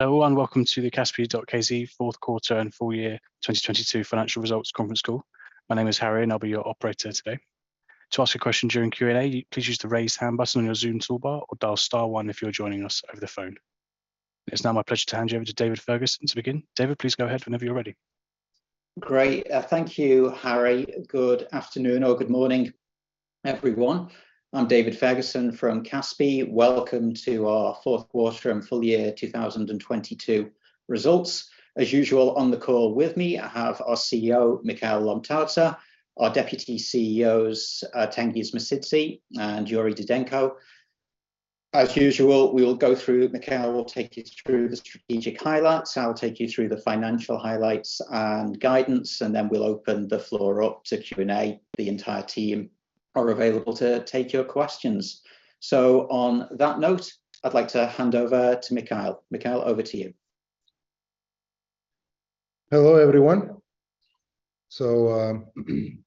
Hello, and welcome to the Kaspi.kz fourth quarter and full year 2022 financial results conference call. My name is Harry and I'll be your operator today. To ask a question during Q&A, please use the raise hand button on your Zoom toolbar or dial star one if you're joining us over the phone. It's now my pleasure to hand you over to David Ferguson to begin. David, please go ahead whenever you're ready. Great. Thank you, Harry. Good afternoon or good morning, everyone. I'm David Ferguson from Kaspi.kz. Welcome to our fourth quarter and full year 2022 results. As usual, on the call with me, I have our CEO, Mikheil Lomtadze, our deputy CEOs, Tengiz Mosidze and Yuri Didenko. As usual, Mikheil will take you through the strategic highlights. I'll take you through the financial highlights and guidance, and then we'll open the floor up to Q&A. The entire team are available to take your questions. On that note, I'd like to hand over to Mikheil. Mikheil, over to you. Hello, everyone.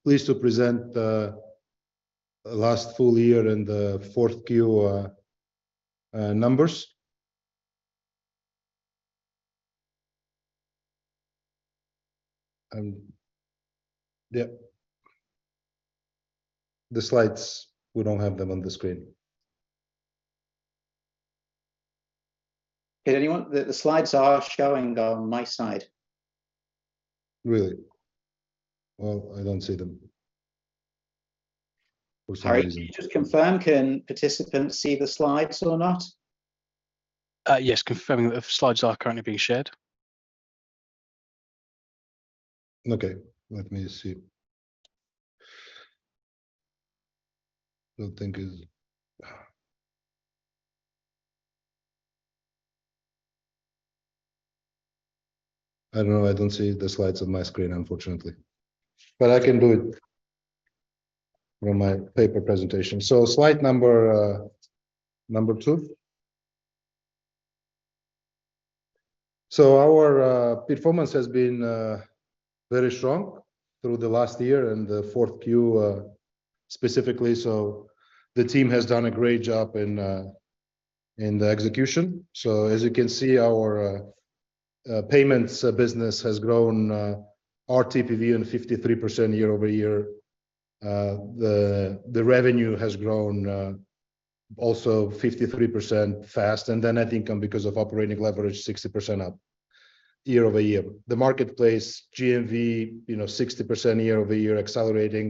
Pleased to present the last full year and the 4Q numbers. Yeah. The slides, we don't have them on the screen. The slides are showing on my side. Really? Well, I don't see them. For some reason. Harry, can you just confirm, can participants see the slides or not? yes, confirming that the slides are currently being shared. Let me see. I don't know. I don't see the slides on my screen, unfortunately. I can do it from my paper presentation. Slide number two. Our performance has been very strong through the last year and the 4Q specifically. The team has done a great job in the execution. As you can see, our Payments business has grown RTPV 53% year-over-year. The revenue has grown also 53% fast. Net income because of operating leverage, 60% up year-over-year. The Marketplace GMV, you know, 60% year-over-year accelerating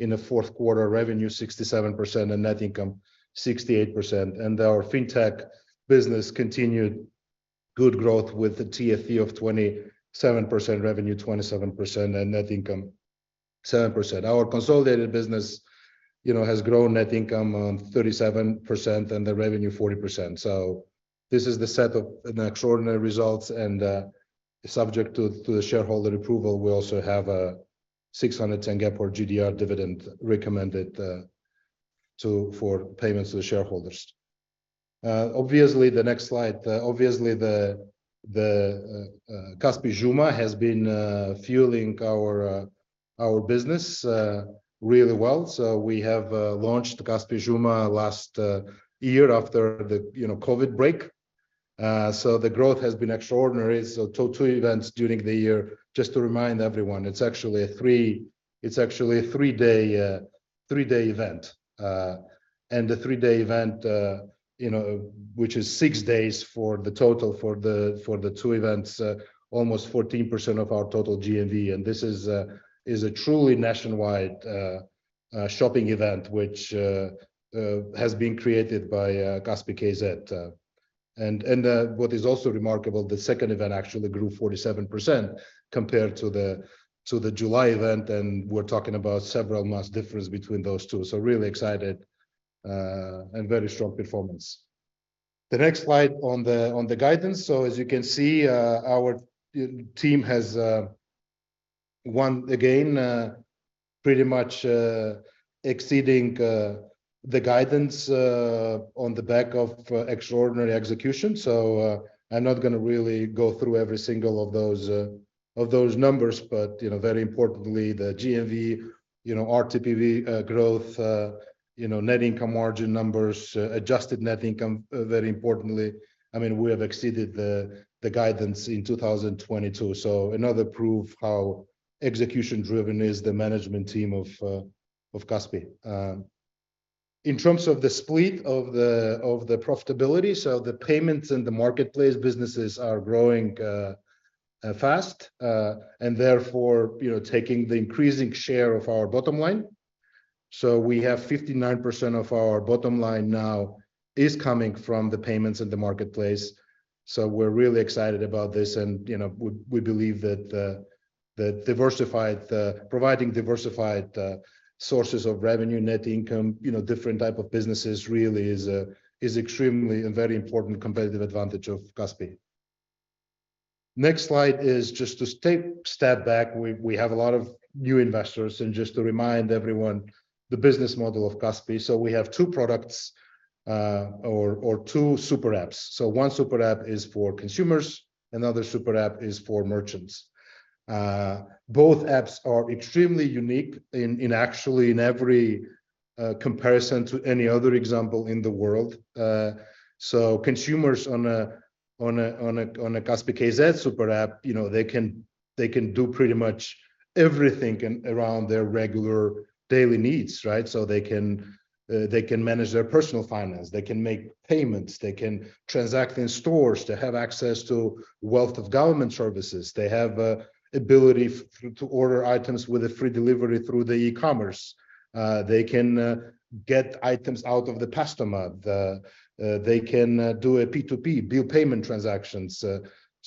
in the fourth quarter revenue 67% and net income 68%. Our Fintech business continued good growth with the TFE of 27%, revenue 27% and net income 7%. Our consolidated business, you know, has grown net income on 37% and the revenue 40%. This is the set of an extraordinary results, and subject to the shareholder approval, we also have a KZT 610 gap or GDR dividend recommended for Payments to the shareholders. Obviously, the next slide. Obviously the Kaspi Juma has been fueling our business really well. We have launched Kaspi Juma last year after the, you know, COVID break. The growth has been extraordinary. Two 3 events during the year. Just to remind everyone, it's actually a 3-day event. The three-day event, you know, which is six days for the total for the two events, almost 14% of our total GMV. This is a truly nationwide shopping event, which has been created by Kaspi.kz. What is also remarkable, the second event actually grew 47% compared to the July event, and we're talking about several months difference between those two. Really excited and very strong performance. The next slide on the guidance. As you can see, our team has won again, pretty much exceeding the guidance on the back of extraordinary execution. I'm not gonna really go through every single of those numbers. you know, very importantly, the GMV, you know, RTPV, growth, you know, net income margin numbers, adjusted net income, very importantly, I mean, we have exceeded the guidance in 2022. another proof how execution-driven is the management team of Kaspi. In terms of the split of the profitability, the Payments and the Marketplace businesses are growing fast. therefore, you know, taking the increasing share of our bottom line. we have 59% of our bottom line now is coming from the Payments in the Marketplace, we're really excited about this. you know, we believe that the diversified, providing diversified, sources of revenue, net income, you know, different type of businesses really is extremely and very important competitive advantage of Kaspi. Next slide is just to take a step back. We have a lot of new investors, and just to remind everyone the business model of Kaspi.kz. We have two products, or two Super Apps. One Super App is for consumers, another Super App is for merchants. Both apps are extremely unique in actually in every comparison to any other example in the world. Consumers on a Kaspi.kz Super App, you know, they can do pretty much everything and around their regular daily needs, right? They can manage their personal finance, they can make payments, they can transact in stores, they have access to wealth of government services. They have ability to order items with a free delivery through the e-Commerce. They can get items out of the Kaspi Postomat. They can do a P2P bill payment transactions.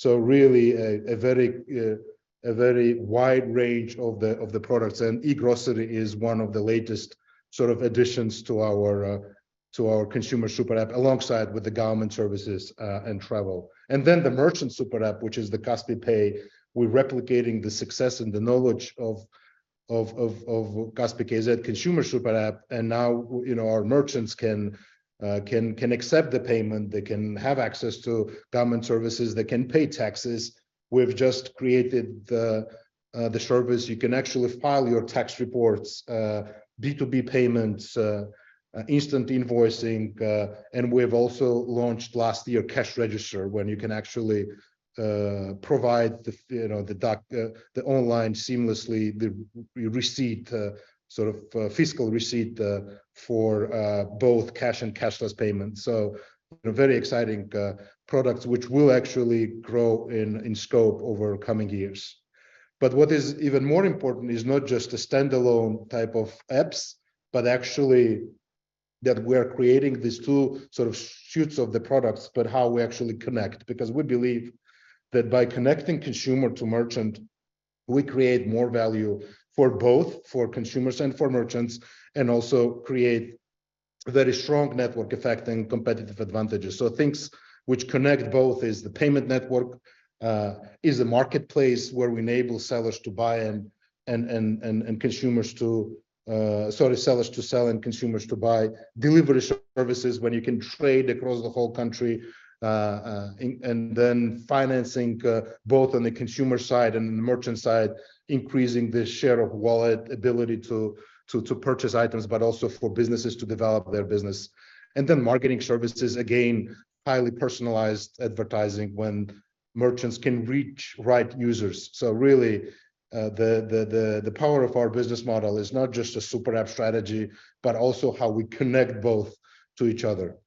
Really a very, a very wide range of the products and e-Grocery is one of the latest sort of additions to our Consumer Super App alongside with the government services and Travel. The Merchant Super App, which is the Kaspi Pay, we're replicating the success and the knowledge of Kaspi.kz Consumer Super App. Now, you know, our merchants can accept the payment, they can have access to government services, they can pay taxes. We've just created the service. ile your tax reports, B2B payments, instant invoicing, and we've also launched last year cash register, when you can actually provide the, you know, the online seamlessly the receipt, sort of, fiscal receipt, for both cash and cashless payments. They're very exciting products which will actually grow in scope over coming years. What is even more important is not just the standalone type of apps, but actually that we're creating these two sort of shoots of the products, but how we actually connect because we believe that by connecting consumer to merchant, we create more value for both for consumers and for merchants, and also create very strong network effect and competitive advantages. Things which connect both is the Payment network, is the Marketplace where we enable sellers to buy and consumers to. Sorry, sellers to sell and consumers to buy. Delivery services when you can trade across the whole country. Then financing, both on the consumer side and the merchant side, increasing the share of wallet ability to purchase items, but also for businesses to develop their business. Then marketing services, again, highly personalized advertising when merchants can reach right users. Really, the power of our business model is not just a Super App strategy, but also how we connect both to each other.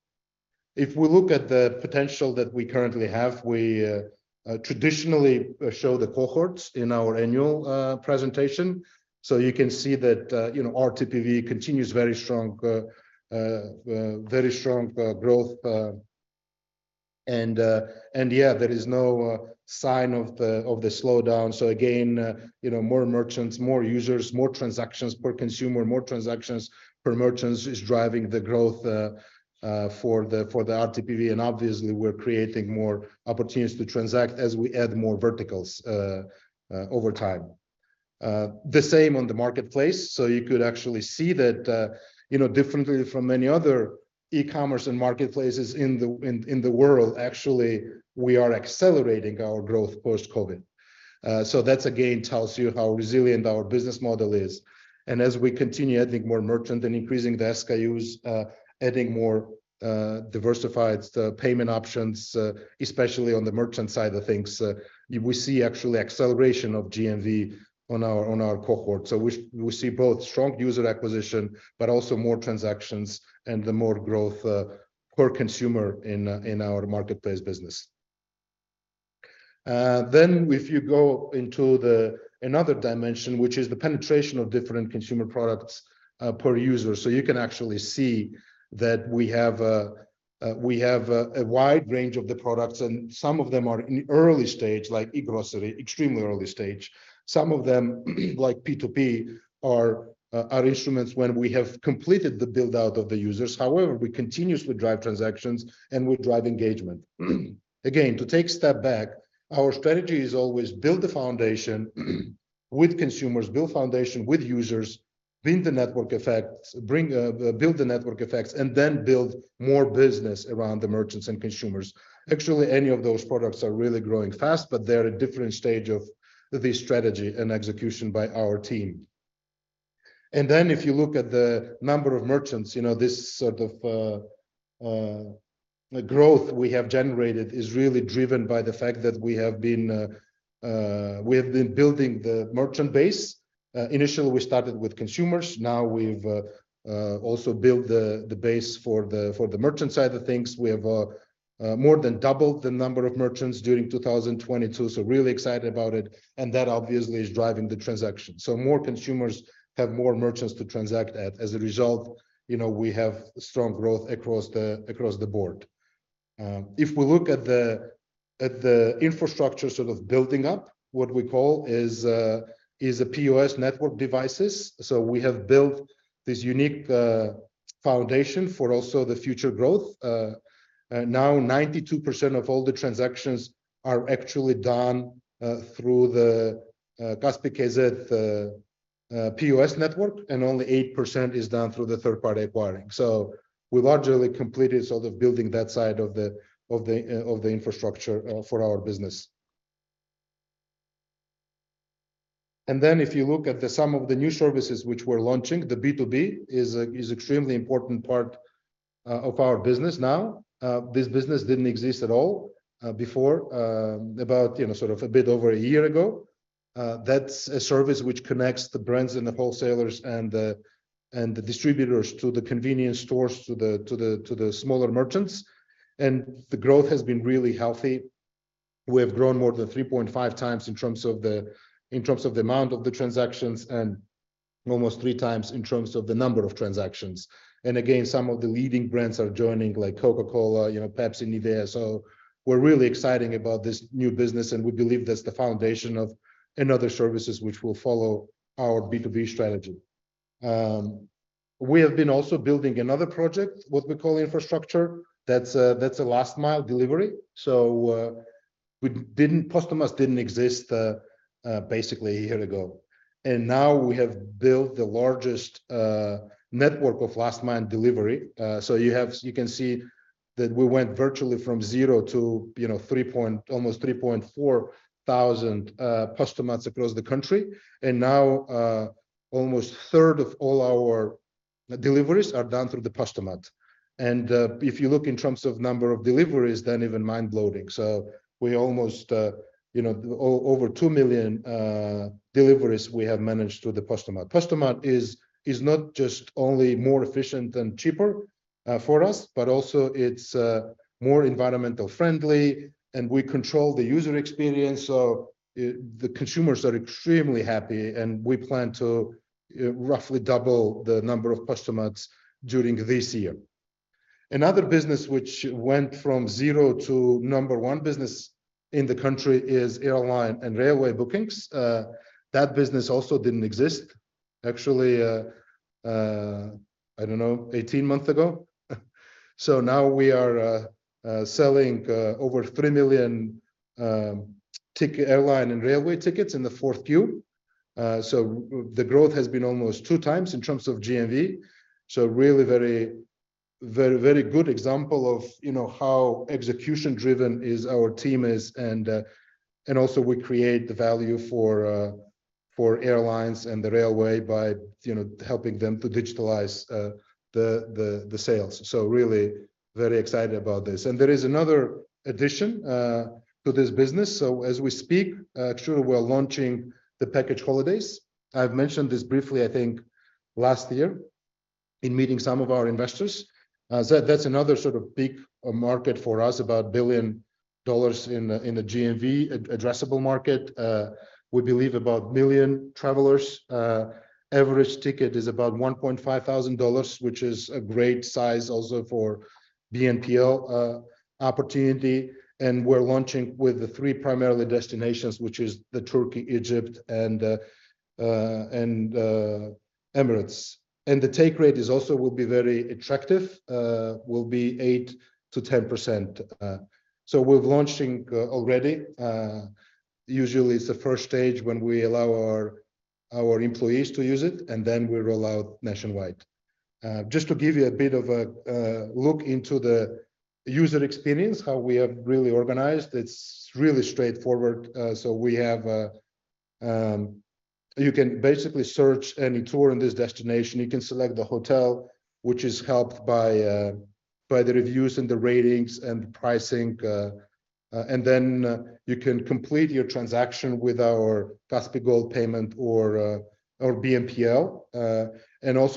If we look at the potential that we currently have, we traditionally show the cohorts in our annual presentation. You can see that, you know, RTPV continues very strong growth, and yeah, there is no sign of the slowdown. Again, you know, more merchants, more users, more transactions per consumer, more transactions per merchant is driving the growth for the RTPV, and obviously we're creating more opportunities to transact as we add more verticals over time. The same on the Marketplace. You could actually see that, you know, differently from many other e-Commerce and Marketplace in the world, actually, we are accelerating our growth post-COVID. That again tells you how resilient our business model is. As we continue adding more merchant and increasing the SKUs, adding more diversified payment options, especially on the merchant side of things, we see actually acceleration of GMV on our cohort. We see both strong user acquisition, but also more transactions and the more growth per consumer in our Marketplace business. If you go into the another dimension, which is the penetration of different consumer products per user. You can actually see that we have a wide range of the products, and some of them are in early stage, like e-Grocery, extremely early stage. Some of them like P2P are instruments when we have completed the build-out of the users. However, we continuously drive transactions and we drive engagement. Again, to take a step back, our strategy is always build the foundation with consumers, build foundation with users, build the network effects, then build more business around the merchants and consumers. Actually, any of those products are really growing fast, but they're at different stage of the strategy and execution by our team. Then if you look at the number of merchants, you know, this sort of growth we have generated is really driven by the fact that we have been building the merchant base. Initially we started with consumers, now we've also built the base for the merchant side of things. We have more than doubled the number of merchants during 2022. Really excited about it, and that obviously is driving the transaction. More consumers have more merchants to transact at. As a result, you know, we have strong growth across the board. If we look at the infrastructure sort of building up, what we call is a POS network devices. We have built this unique foundation for also the future growth. Now 92% of all the transactions are actually done through the Kaspi.kz POS network, and only 8% is done through the third-party acquiring. We've largely completed sort of building that side of the infrastructure for our business. If you look at some of the new services which we're launching, the B2B is extremely important part of our business now. This business didn't exist at all before about, you know, sort of a bit over a year ago. That's a service which connects the brands and the wholesalers and the distributors to the convenience stores to the smaller merchants, and the growth has been really healthy. We have grown more than 3.5x in terms of the amount of the transactions and almost 3x in terms of the number of transactions. Again, some of the leading brands are joining, like Coca-Cola, you know, Pepsi, Nivea. We're really exciting about this new business, and we believe that's the foundation in other services which will follow our B2B strategy. We have been also building another project, what we call infrastructure. That's, that's a last-mile-delivery. Postomat didn't exist basically a year ago. Now we have built the largest network of last-mile-delivery. You can see that we went virtually from zero to, you know, almost 3,400 Postomats across the country. Now, almost third of all our deliveries are done through the Postomat. If you look in terms of number of deliveries, then even mind-blowing. We almost, you know, over 2 million deliveries we have managed through the Postomat. Postomat is not just only more efficient and cheaper for us, but also it's more environmental friendly, and we control the user experience. The consumers are extremely happy, and we plan to roughly double the number of Postomats during this year. Another business which went from zero to number one business in the country is airline and railway bookings. That business also didn't exist actually, I don't know, 18 months ago. Now we are selling over 3 million airline and railway tickets in the 4Q. The growth has been almost 2x in terms of GMV. Really very, very, very good example of, you know, how execution-driven is our team is. Also we create the value for airlines and the railway by, you know, helping them to digitalize the sales. Really very excited about this. There is another addition to this business. As we speak, actually we're launching the package holidays. I've mentioned this briefly, I think, last year in meeting some of our investors. That's another sort of big market for us, about $1 billion in the GMV addressable market. We believe about 1 million travelers. Average ticket is about $1,500, which is a great size also for BNPL opportunity. We're launching with the three primarily destinations, which is the Turkey, Egypt and Emirates. The take rate is also will be very attractive, will be 8%-10%. We're launching already. Usually it's the first stage when we allow our employees to use it, and then we roll out nationwide. Just to give you a bit of a look into the user experience, how we are really organized, it's really straightforward. You can basically search any tour in this destination. You can select the hotel, which is helped by the reviews and the ratings and the pricing, then you can complete your transaction with our Kaspi Gold payment or BNPL.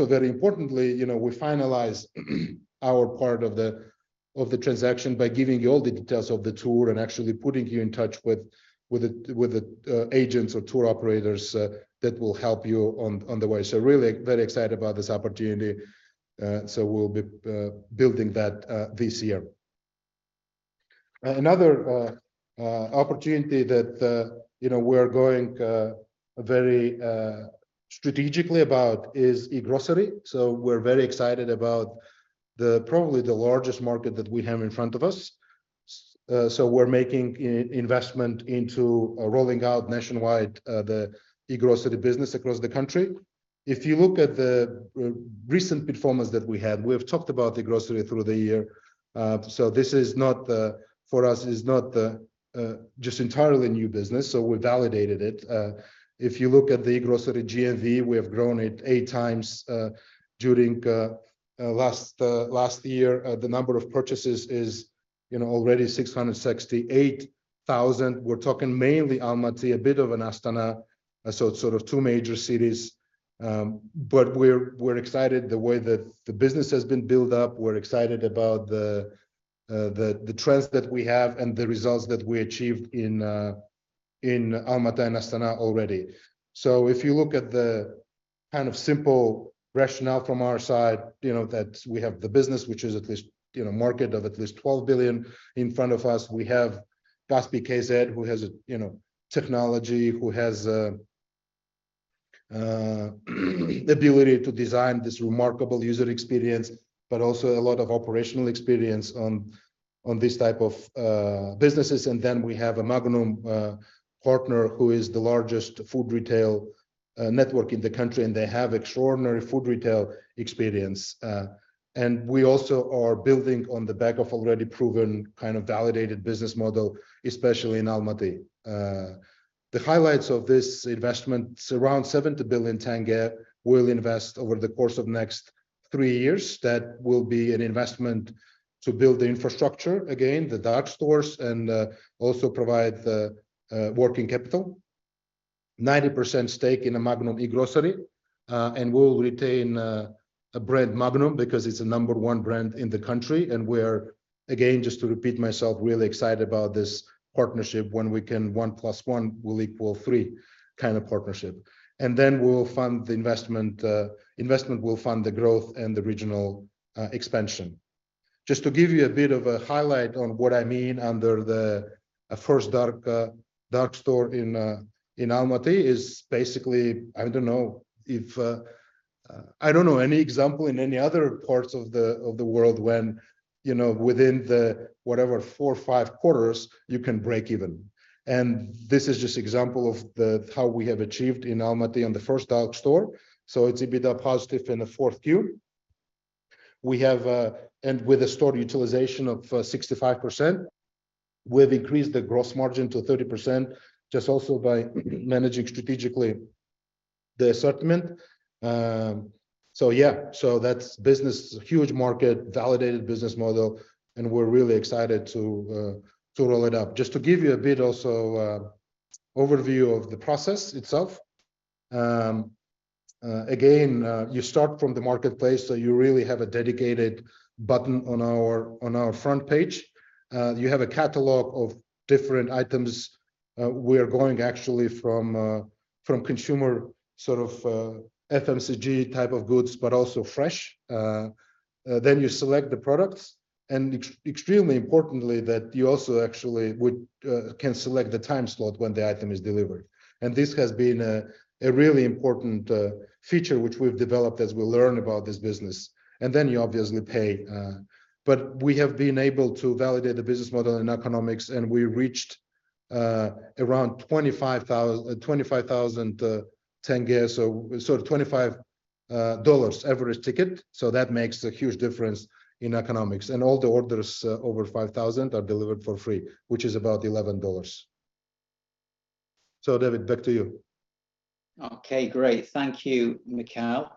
Very importantly, you know, we finalize our part of the transaction by giving you all the details of the tour and actually putting you in touch with the agents or tour operators that will help you on the way. Really very excited about this opportunity. We'll be building that this year. Another opportunity that, you know, we're going very strategically about is e-Grocery. We're very excited about probably the largest market that we have in front of us. We're making investment into rolling out nationwide the e-Grocery business across the country. If you look at the recent performance that we had, we have talked about e-Grocery through the year. This is not, for us is not, just entirely new business, so we validated it. If you look at the e-Grocery GMV, we have grown it 8x during last year. The number of purchases is, you know, already 668,000. We're talking mainly Almaty, a bit of Astana, so it's sort of two major cities. We're, we're excited the way that the business has been built up. We're excited about the trends that we have and the results that we achieved in Almaty and Astana already. If you look at the kind of simple rationale from our side, you know, that we have the business which is at least, you know, market of at least $12 billion in front of us. We have Kaspi.kz who has, you know, technology, who has ability to design this remarkable user experience, but also a lot of operational experience on this type of businesses. Then we have a Magnum partner who is the largest food retail network in the country and they have extraordinary food retail experience. We also are building on the back of already proven kind of validated business model, especially in Almaty. The highlights of this investment, it's around KZT 70 billion will invest over the course of next three years. That will be an investment to build the infrastructure, again, the dark stores and also provide the working capital. 90% stake in a Magnum e-Grocery and will retain a brand Magnum because it's a number one brand in the country. We're, again, just to repeat myself, really excited about this partnership when we can 1 plus 1 will equal 3 kind of partnership. We'll fund the investment will fund the growth and the regional expansion. Just to give you a bit of a highlight on what I mean under the first dark store in Almaty is basically, I don't know if, I don't know any example in any other parts of the world when, you know, within the whatever four or five quarters, you can break even. This is just example of how we have achieved in Almaty on the first dark store. It's a bit positive in the fourth quarter. We have, and with a store utilization of 65%, we've increased the gross margin to 30%, just also by managing strategically the assortment. That's business, huge market, validated business model. We're really excited to roll it up. Just to give you a bit also overview of the process itself. Again, you start from the Marketplace. You really have a dedicated button on our front page. You have a catalog of different items. We're going actually from consumer sort of FMCG type of goods, but also fresh. You select the products and extremely importantly that you also actually would, can select the time slot when the item is delivered. This has been a really important feature which we've developed as we learn about this business. Then you obviously pay. We have been able to validate the business model and economics and we reached around KZT 25,000, so sort of $25 average ticket. That makes a huge difference in economics. All the orders over 5,000 are delivered for free, which is about $11. David, back to you. Great. Thank you, Mikheil.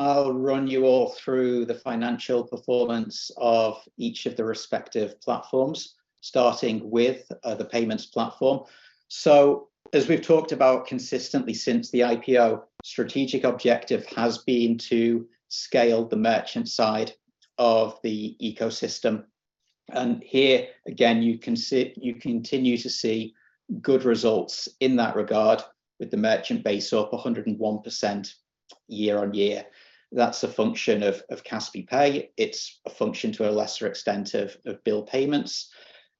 I'll run you all through the financial performance of each of the respective platforms, starting with the Payments Platform. As we've talked about consistently since the IPO, strategic objective has been to scale the merchant side of the ecosystem. Here, again, you continue to see good results in that regard with the merchant base up 101% year-on-year. That's a function of Kaspi Pay. It's a function to a lesser extent of bill payments.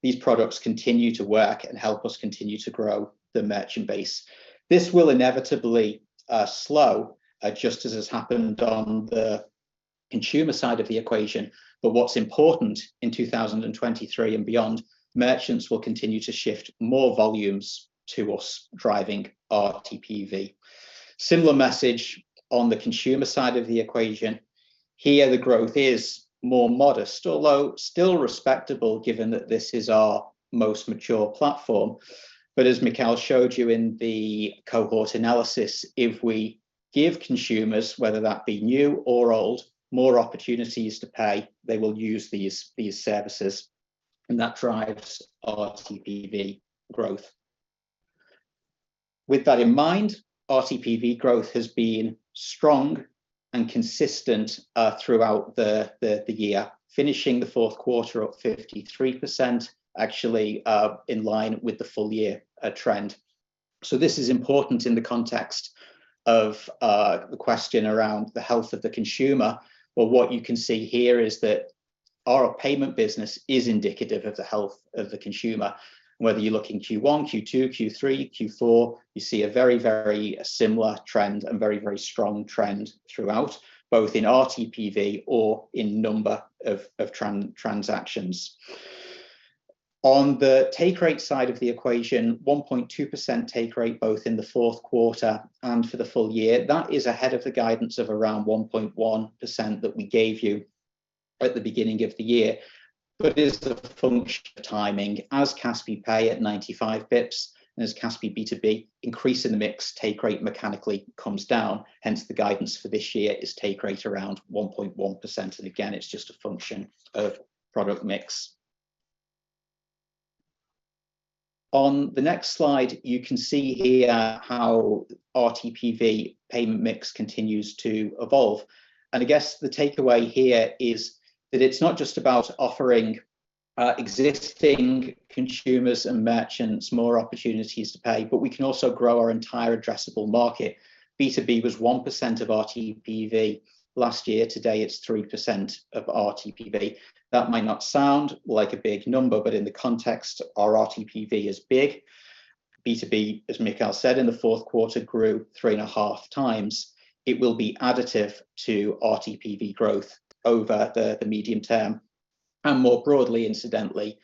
These products continue to work and help us continue to grow the merchant base. This will inevitably slow, just as has happened on the consumer side of the equation. What's important in 2023 and beyond, merchants will continue to shift more volumes to us driving RTPV. Similar message on the consumer side of the equation. Here, the growth is more modest, although still respectable given that this is our most mature platform. As Mikheil showed you in the cohort analysis, if we give consumers, whether that be new or old, more opportunities to pay, they will use these services. That drives RTPV growth. With that in mind, RTPV growth has been strong and consistent throughout the year, finishing the fourth quarter up 53%, actually in line with the full year trend. This is important in the context of the question around the health of the consumer. Well, what you can see here is that our payment business is indicative of the health of the consumer. Whether you look in Q1, Q2, Q3, Q4, you see a very, very similar trend and very, very strong trend throughout, both in RTPV or in number of transactions. On the take rate side of the equation, 1.2% take rate both in the fourth quarter and for the full year. That is ahead of the guidance of around 1.1% that we gave you at the beginning of the year. It is a function of timing. As Kaspi Pay at 95 pips and as Kaspi B2B increase in the mix, take rate mechanically comes down. Hence, the guidance for this year is take rate around 1.1%. Again, it's just a function of product mix. On the next slide, you can see here how RTPV payment mix continues to evolve. I guess the takeaway here is that it's not just about offering existing consumers and merchants more opportunities to pay, but we can also grow our entire addressable market. B2B was 1% of RTPV last year. Today, it's 3% of RTPV. That might not sound like a big number, but in the context, our RTPV is big. B2B, as Mikheil said, in the fourth quarter grew 3.5x. It will be additive to RTPV growth over the medium term. More broadly, incidentally,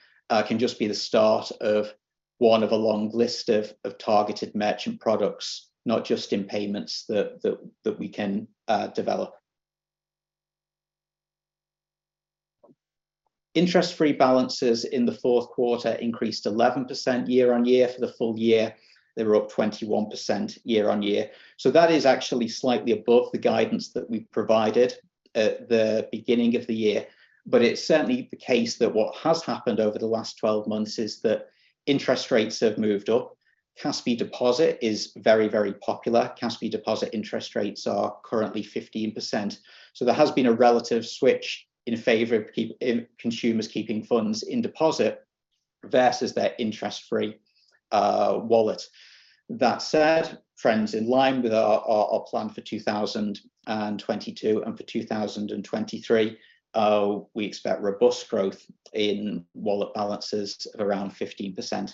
can just be the start of one of a long list of targeted merchant products, not just in Payments that we can develop. Interest-free balances in the fourth quarter increased 11% year on year. For the full year, they were up 21% year on year. That is actually slightly above the guidance that we provided at the beginning of the year. It's certainly the case that what has happened over the last 12 months is that interest rates have moved up. Kaspi Deposit is very, very popular. Kaspi Deposit interest rates are currently 15%. There has been a relative switch in favor of in consumers keeping funds in deposit versus their interest free wallet. That said, trends in line with our plan for 2022 and for 2023, we expect robust growth in wallet balances of around 15%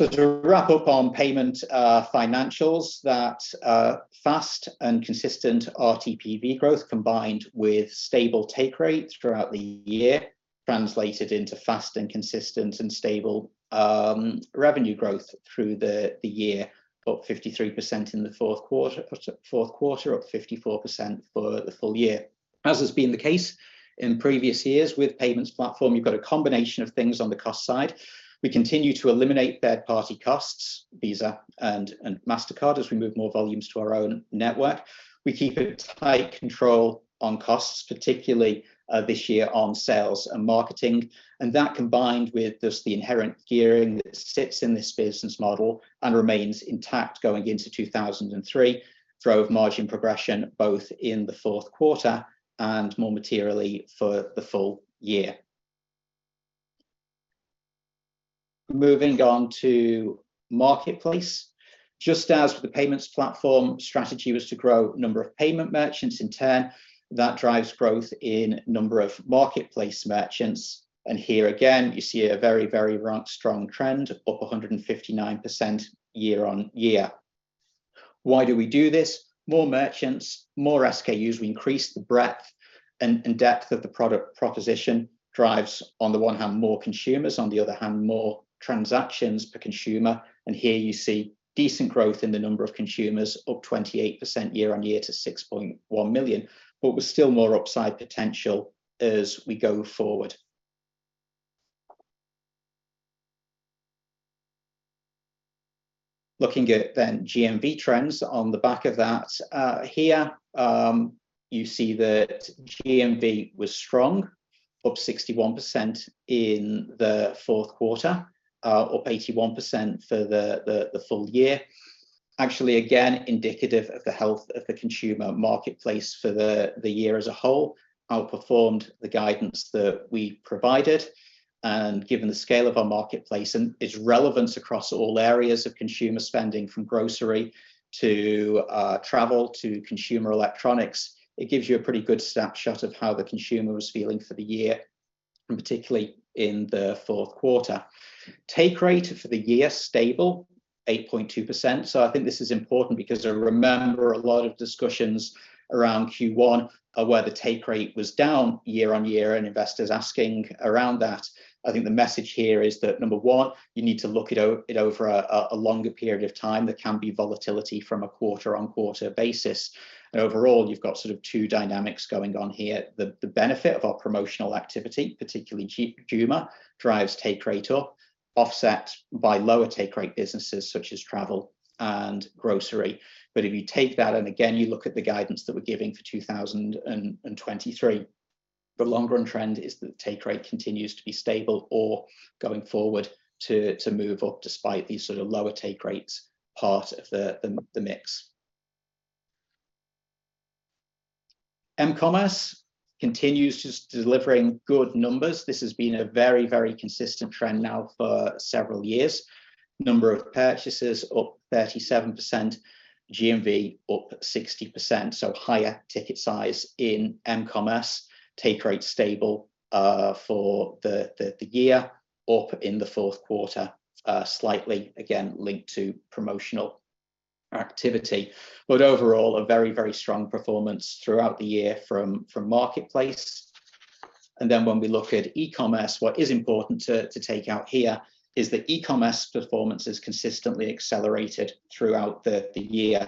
year-on-year. To wrap up on payment financials, that fast and consistent RTPV growth, combined with stable take rates throughout the year, translated into fast and consistent and stable revenue growth through the year. Up 53% in the fourth quarter, up 54% for the full year. As has been the case in previous years, with Payments Platform, you've got a combination of things on the cost side. We continue to eliminate third-party costs, Visa and Mastercard, as we move more volumes to our own network. We keep a tight control on costs, particularly this year on sales and marketing. That combined with just the inherent gearing that sits in this business model and remains intact going into 2003, drove margin progression both in the fourth quarter and more materially for the full year. Moving on to Marketplace. Just as for the Payments Platform strategy was to grow number of payment merchants, in turn that drives growth in number of Marketplace merchants. Here again, you see a very strong trend, up 159% year-on-year. Why do we do this? More merchants, more SKUs. We increase the breadth and depth of the product proposition. Drives, on the one hand, more consumers, on the other hand, more transactions per consumer. Here you see decent growth in the number of consumers, up 28% year-on-year to 6.1 million. With still more upside potential as we go forward. Looking at then GMV trends on the back of that. Here, you see that GMV was strong, up 61% in the fourth quarter, up 81% for the full year. Actually, again, indicative of the health of the consumer Marketplace for the year as a whole, outperformed the guidance that we provided. Given the scale of our Marketplace and its relevance across all areas of consumer spending, from grocery to Travel to consumer electronics, it gives you a pretty good snapshot of how the consumer was feeling for the year, and particularly in the fourth quarter. Take rate for the year, stable, 8.2%. I think this is important because I remember a lot of discussions around Q1 of where the take rate was down year-on-year, and investors asking around that. I think the message here is that, number 1, you need to look at it over a longer period of time. There can be volatility from a quarter-on-quarter basis. Overall, you've got sort of two dynamics going on here. The benefit of our promotional activity, particularly Juma, drives take rate up, offset by lower take rate businesses such as Travel and grocery. If you take that, and again, you look at the guidance that we're giving for 2023, the longer run trend is that take rate continues to be stable or going forward to move up despite these sort of lower take rates part of the mix. m-Commerce continues just delivering good numbers. This has been a very, very consistent trend now for several years. Number of purchases up 37%, GMV up 60%, so higher ticket size in m-Commerce. Take rate stable for the year, up in the fourth quarter, slightly again linked to promotional activity. Overall a very, very strong performance throughout the year from Marketplace. When we look at e-Commerce, what is important to take out here is that e-Commerce performance has consistently accelerated throughout the year.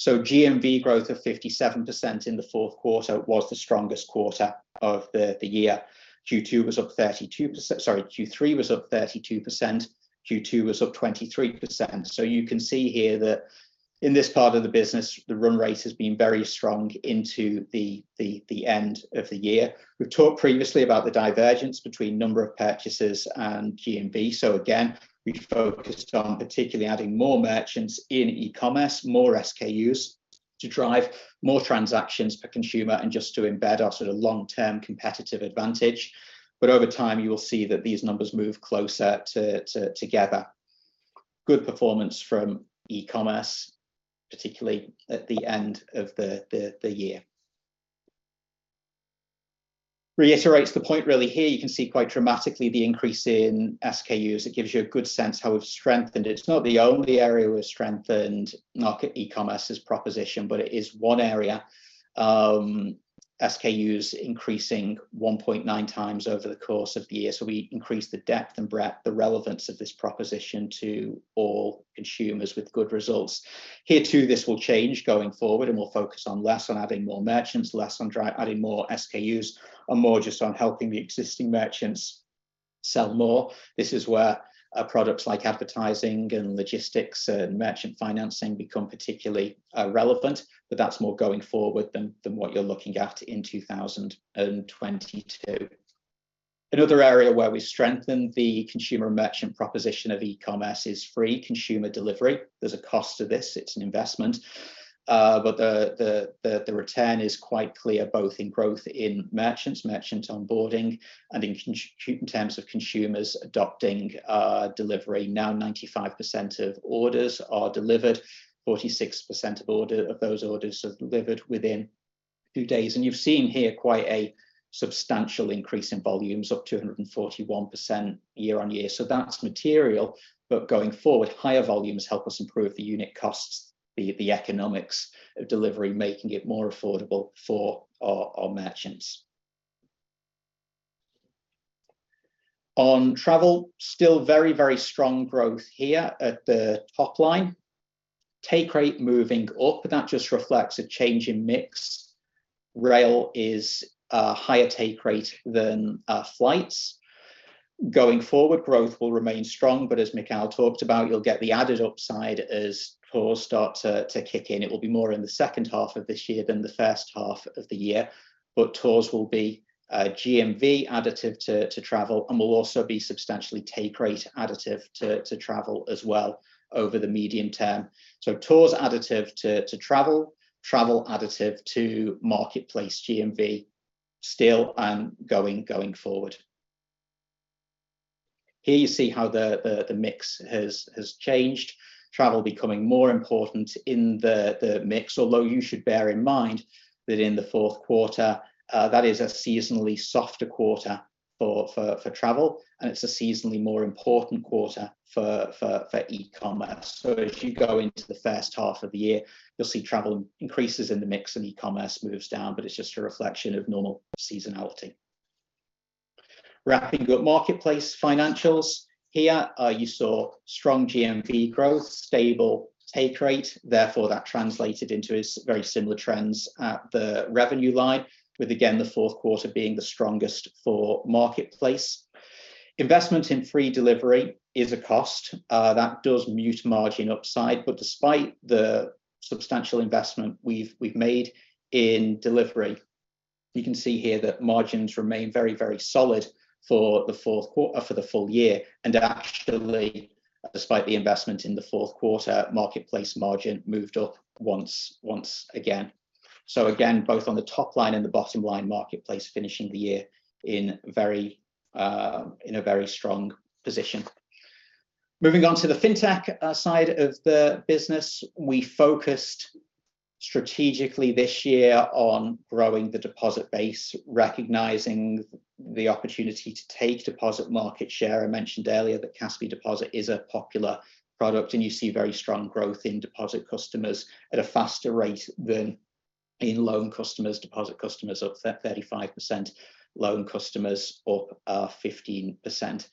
GMV growth of 57% in the fourth quarter was the strongest quarter of the year. Q3 was up 32%, Q2 was up 23%. You can see here that in this part of the business, the run rate has been very strong into the end of the year. We've talked previously about the divergence between number of purchases and GMV. Again, we focused on particularly adding more merchants in e-Commerce, more SKUs to drive more transactions per consumer, and just to embed our sort of long-term competitive advantage. Over time, you will see that these numbers move closer together. Good performance from e-Commerce, particularly at the end of the year. Reiterates the point really here, you can see quite dramatically the increase in SKUs. It gives you a good sense how we've strengthened it. It's not the only area we've strengthened market e-Commerce's proposition, but it is one area, SKUs increasing 1.9x over the course of the year. We increased the depth and breadth, the relevance of this proposition to all consumers with good results. Here too, this will change going forward, and we'll focus on less on adding more merchants, less on adding more SKUs and more just on helping the existing merchants sell more. This is where products like advertising and logistics, and merchant financing become particularly relevant. That's more going forward than what you're looking at in 2022. Another area where we strengthened the consumer merchant proposition of e-Commerce is free consumer delivery. There's a cost to this. It's an investment, the return is quite clear, both in growth in merchants onboarding, and in terms of consumers adopting delivery. Now, 95% of orders are delivered. 46% of those orders are delivered within 2 days. You've seen here quite a substantial increase in volumes, up 241% year-on-year. That's material. Going forward, higher volumes help us improve the unit costs, the economics of delivery, making it more affordable for our merchants. On Travel, still very, very strong growth here at the top line. Take rate moving up, that just reflects a change in mix. Rail is a higher take rate than flights. Going forward, growth will remain strong, but as Mikheil talked about, you'll get the added upside as tours start to kick in. It will be more in the second half of this year than the first half of the year. Tours will be GMV additive to Travel and will also be substantially take rate additive to Travel as well over the medium term. Tours additive to Travel additive to Marketplace GMV still and going forward. Here you see how the mix has changed. Travel becoming more important in the mix, although you should bear in mind that in the fourth quarter, that is a seasonally softer quarter for Travel, and it's a seasonally more important quarter for e-Commerce. If you go into the first half of the year, you'll see Travel increases in the mix and e-Commerce moves down, but it's just a reflection of normal seasonality. Wrapping up Marketplace financials. Here, you saw strong GMV growth, stable take rate, therefore that translated into its very similar trends at the revenue line, with again, the fourth quarter being the strongest for Marketplace. Investment in free delivery is a cost that does mute margin upside. Despite the substantial investment we've made in delivery, you can see here that margins remain very solid for the fourth quarter, for the full year. Actually, despite the investment in the fourth quarter, Marketplace margin moved up once again. Again, both on the top line and the bottom line, Marketplace finishing the year in a very strong position. Moving on to the Fintech side of the business. We focused strategically this year on growing the deposit base, recognizing the opportunity to take deposit market share. I mentioned earlier that Kaspi Deposit is a popular product, and you see very strong growth in deposit customers at a faster rate than in loan customers. Deposit customers up 35%, loan customers up 15%.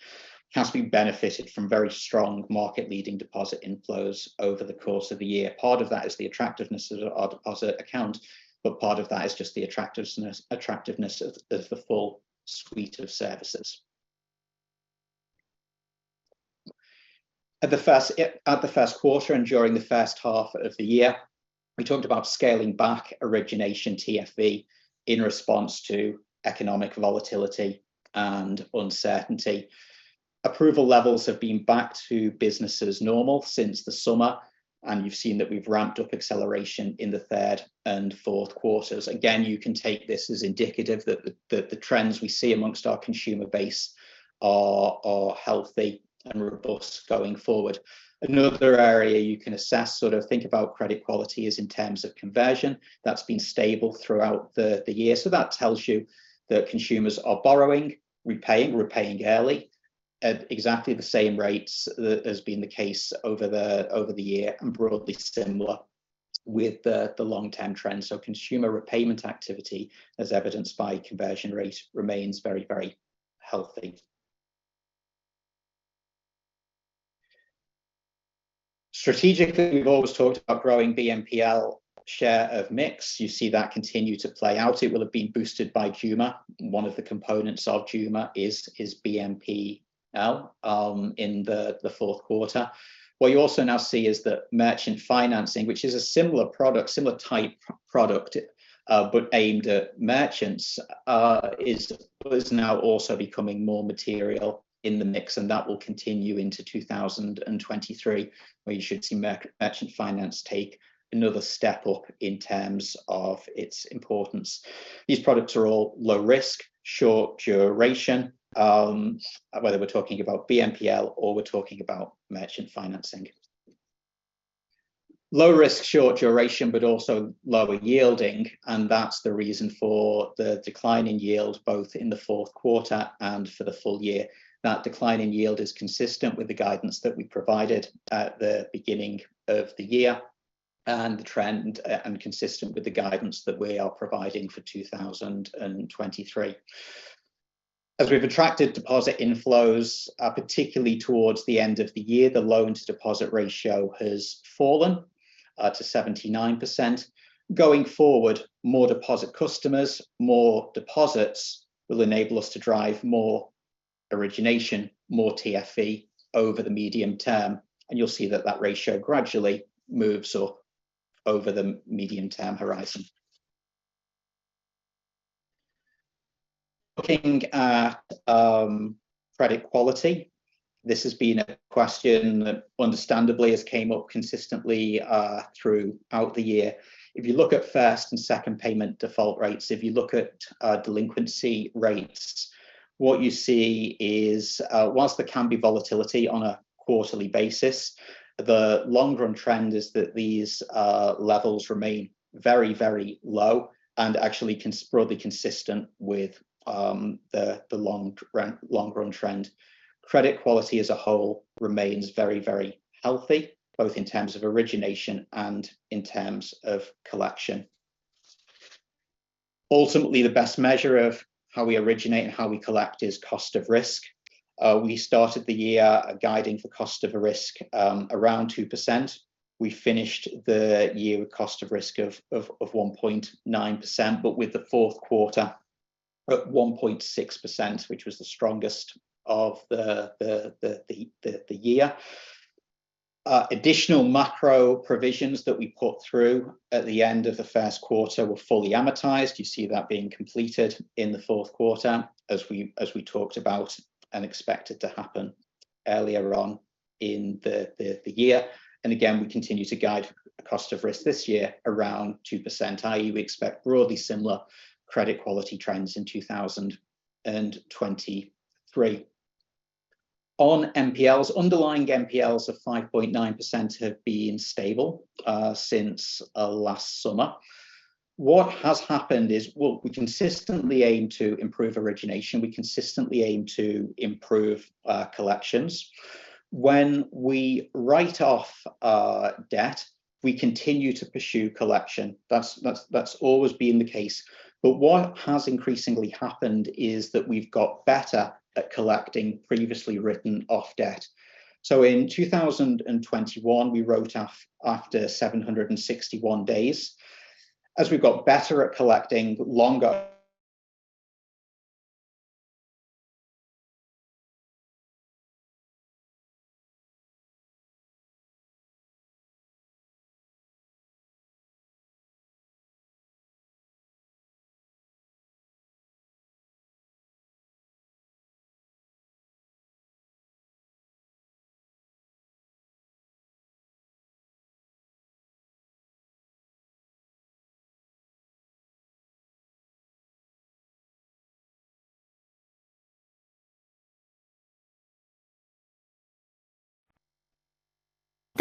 Kaspi benefited from very strong market-leading deposit inflows over the course of the year. Part of that is the attractiveness of our deposit account, but part of that is just the attractiveness of the full suite of services. At the first quarter and during the first half of the year, we talked about scaling back origination TFE in response to economic volatility and uncertainty. Approval levels have been back to business as normal since the summer, and you've seen that we've ramped up acceleration in the third and fourth quarters. Again, you can take this as indicative that the trends we see amongst our consumer base are healthy and robust going forward. Another area you can assess, sort of think about credit quality is in terms of conversion. That's been stable throughout the year. That tells you that consumers are borrowing, repaying early at exactly the same rates that has been the case over the year and broadly similar with the long-term trends. Consumer repayment activity as evidenced by conversion rate remains very healthy. Strategically, we've always talked about growing BNPL share of mix. You see that continue to play out. It will have been boosted by Juma. One of the components of Juma is BNPL in the fourth quarter. What you also now see is that merchant financing, which is a similar product, similar type product, but aimed at merchants, is now also becoming more material in the mix, and that will continue into 2023, where you should see merchant finance take another step up in terms of its importance. These products are all low risk, short duration, whether we're talking about BNPL or we're talking about merchant financing. Low risk, short duration, but also lower yielding, and that's the reason for the decline in yield both in the fourth quarter and for the full year. That decline in yield is consistent with the guidance that we provided at the beginning of the year, and the trend, and consistent with the guidance that we are providing for 2023. As we've attracted deposit inflows, particularly towards the end of the year, the loans to deposit ratio has fallen, to 79%. Going forward, more deposit customers, more deposits will enable us to drive more origination, more TFE over the medium term. You'll see that that ratio gradually moves up over the medium-term horizon. Looking at credit quality, this has been a question that understandably has came up consistently, throughout the year. If you look at first and second payment default rates, if you look at delinquency rates, what you see is, whilst there can be volatility on a quarterly basis, the longer run trend is that these levels remain very, very low and actually broadly consistent with the long run, long run trend. Credit quality as a whole remains very, very healthy, both in terms of origination and in terms of collection. Ultimately, the best measure of how we originate and how we collect is cost of risk. We started the year guiding for cost of risk around 2%. We finished the year with cost of risk of 1.9%, but with the fourth quarter at 1.6%, which was the strongest of the year. Additional macro provisions that we put through at the end of the first quarter were fully amortized. You see that being completed in the fourth quarter as we talked about and expected to happen earlier on in the year. Again, we continue to guide cost of risk this year around 2%, i.e. we expect broadly similar credit quality trends in 2023. On NPLs, underlying NPLs of 5.9% have been stable since last summer. What has happened is, well, we consistently aim to improve origination. We consistently aim to improve collections. When we write off debt, we continue to pursue collection. That's always been the case. What has increasingly happened is that we've got better at collecting previously written off debt. In 2021, we wrote off after 761 days. As we've got better at collecting longer.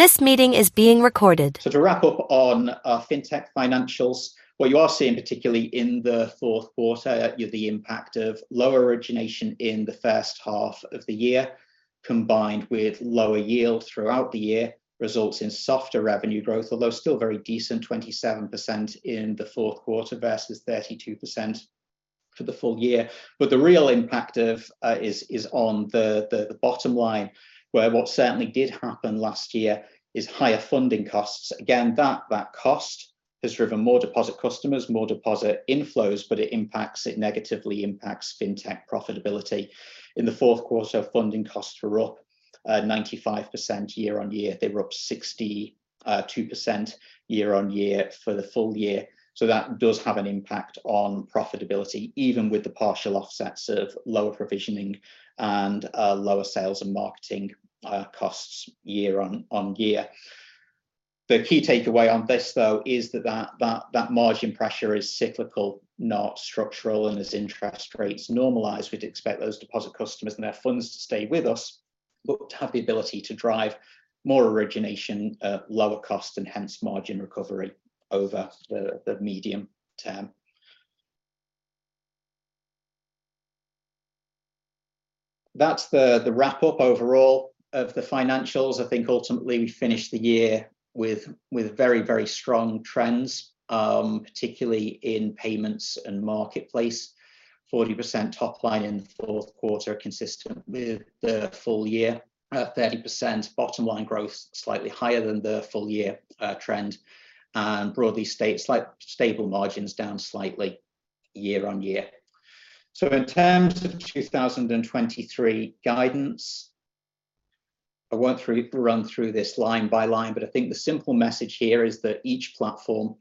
This meeting is being recorded. To wrap up on our Fintech financials, what you are seeing, particularly in the fourth quarter, you have the impact of lower origination in the first half of the year, combined with lower yield throughout the year, results in softer revenue growth. Although still very decent, 27% in the fourth quarter versus 32% for the full year. The real impact of, is on the bottom line, where what certainly did happen last year is higher funding costs. That cost has driven more deposit customers, more deposit inflows, but it negatively impacts Fintech profitability. In the fourth quarter, funding costs were up, 95% year-on-year. They were up 62% year-on-year for the full year. That does have an impact on profitability, even with the partial offsets of lower provisioning and lower sales and marketing costs year-on-year. The key takeaway on this, though, is that margin pressure is cyclical, not structural, and as interest rates normalize, we'd expect those deposit customers and their funds to stay with us, but to have the ability to drive more origination at lower cost and hence margin recovery over the medium term. That's the wrap up overall of the financials. I think ultimately we finished the year with very strong trends, particularly in Payments and Marketplace. 40% top line in the fourth quarter, consistent with the full year at 30% bottom line growth, slightly higher than the full year trend and broadly slight stable margins down slightly year-on-year. In terms of 2023 guidance, I won't run through this line by line, but I think the simple message here is that each platform,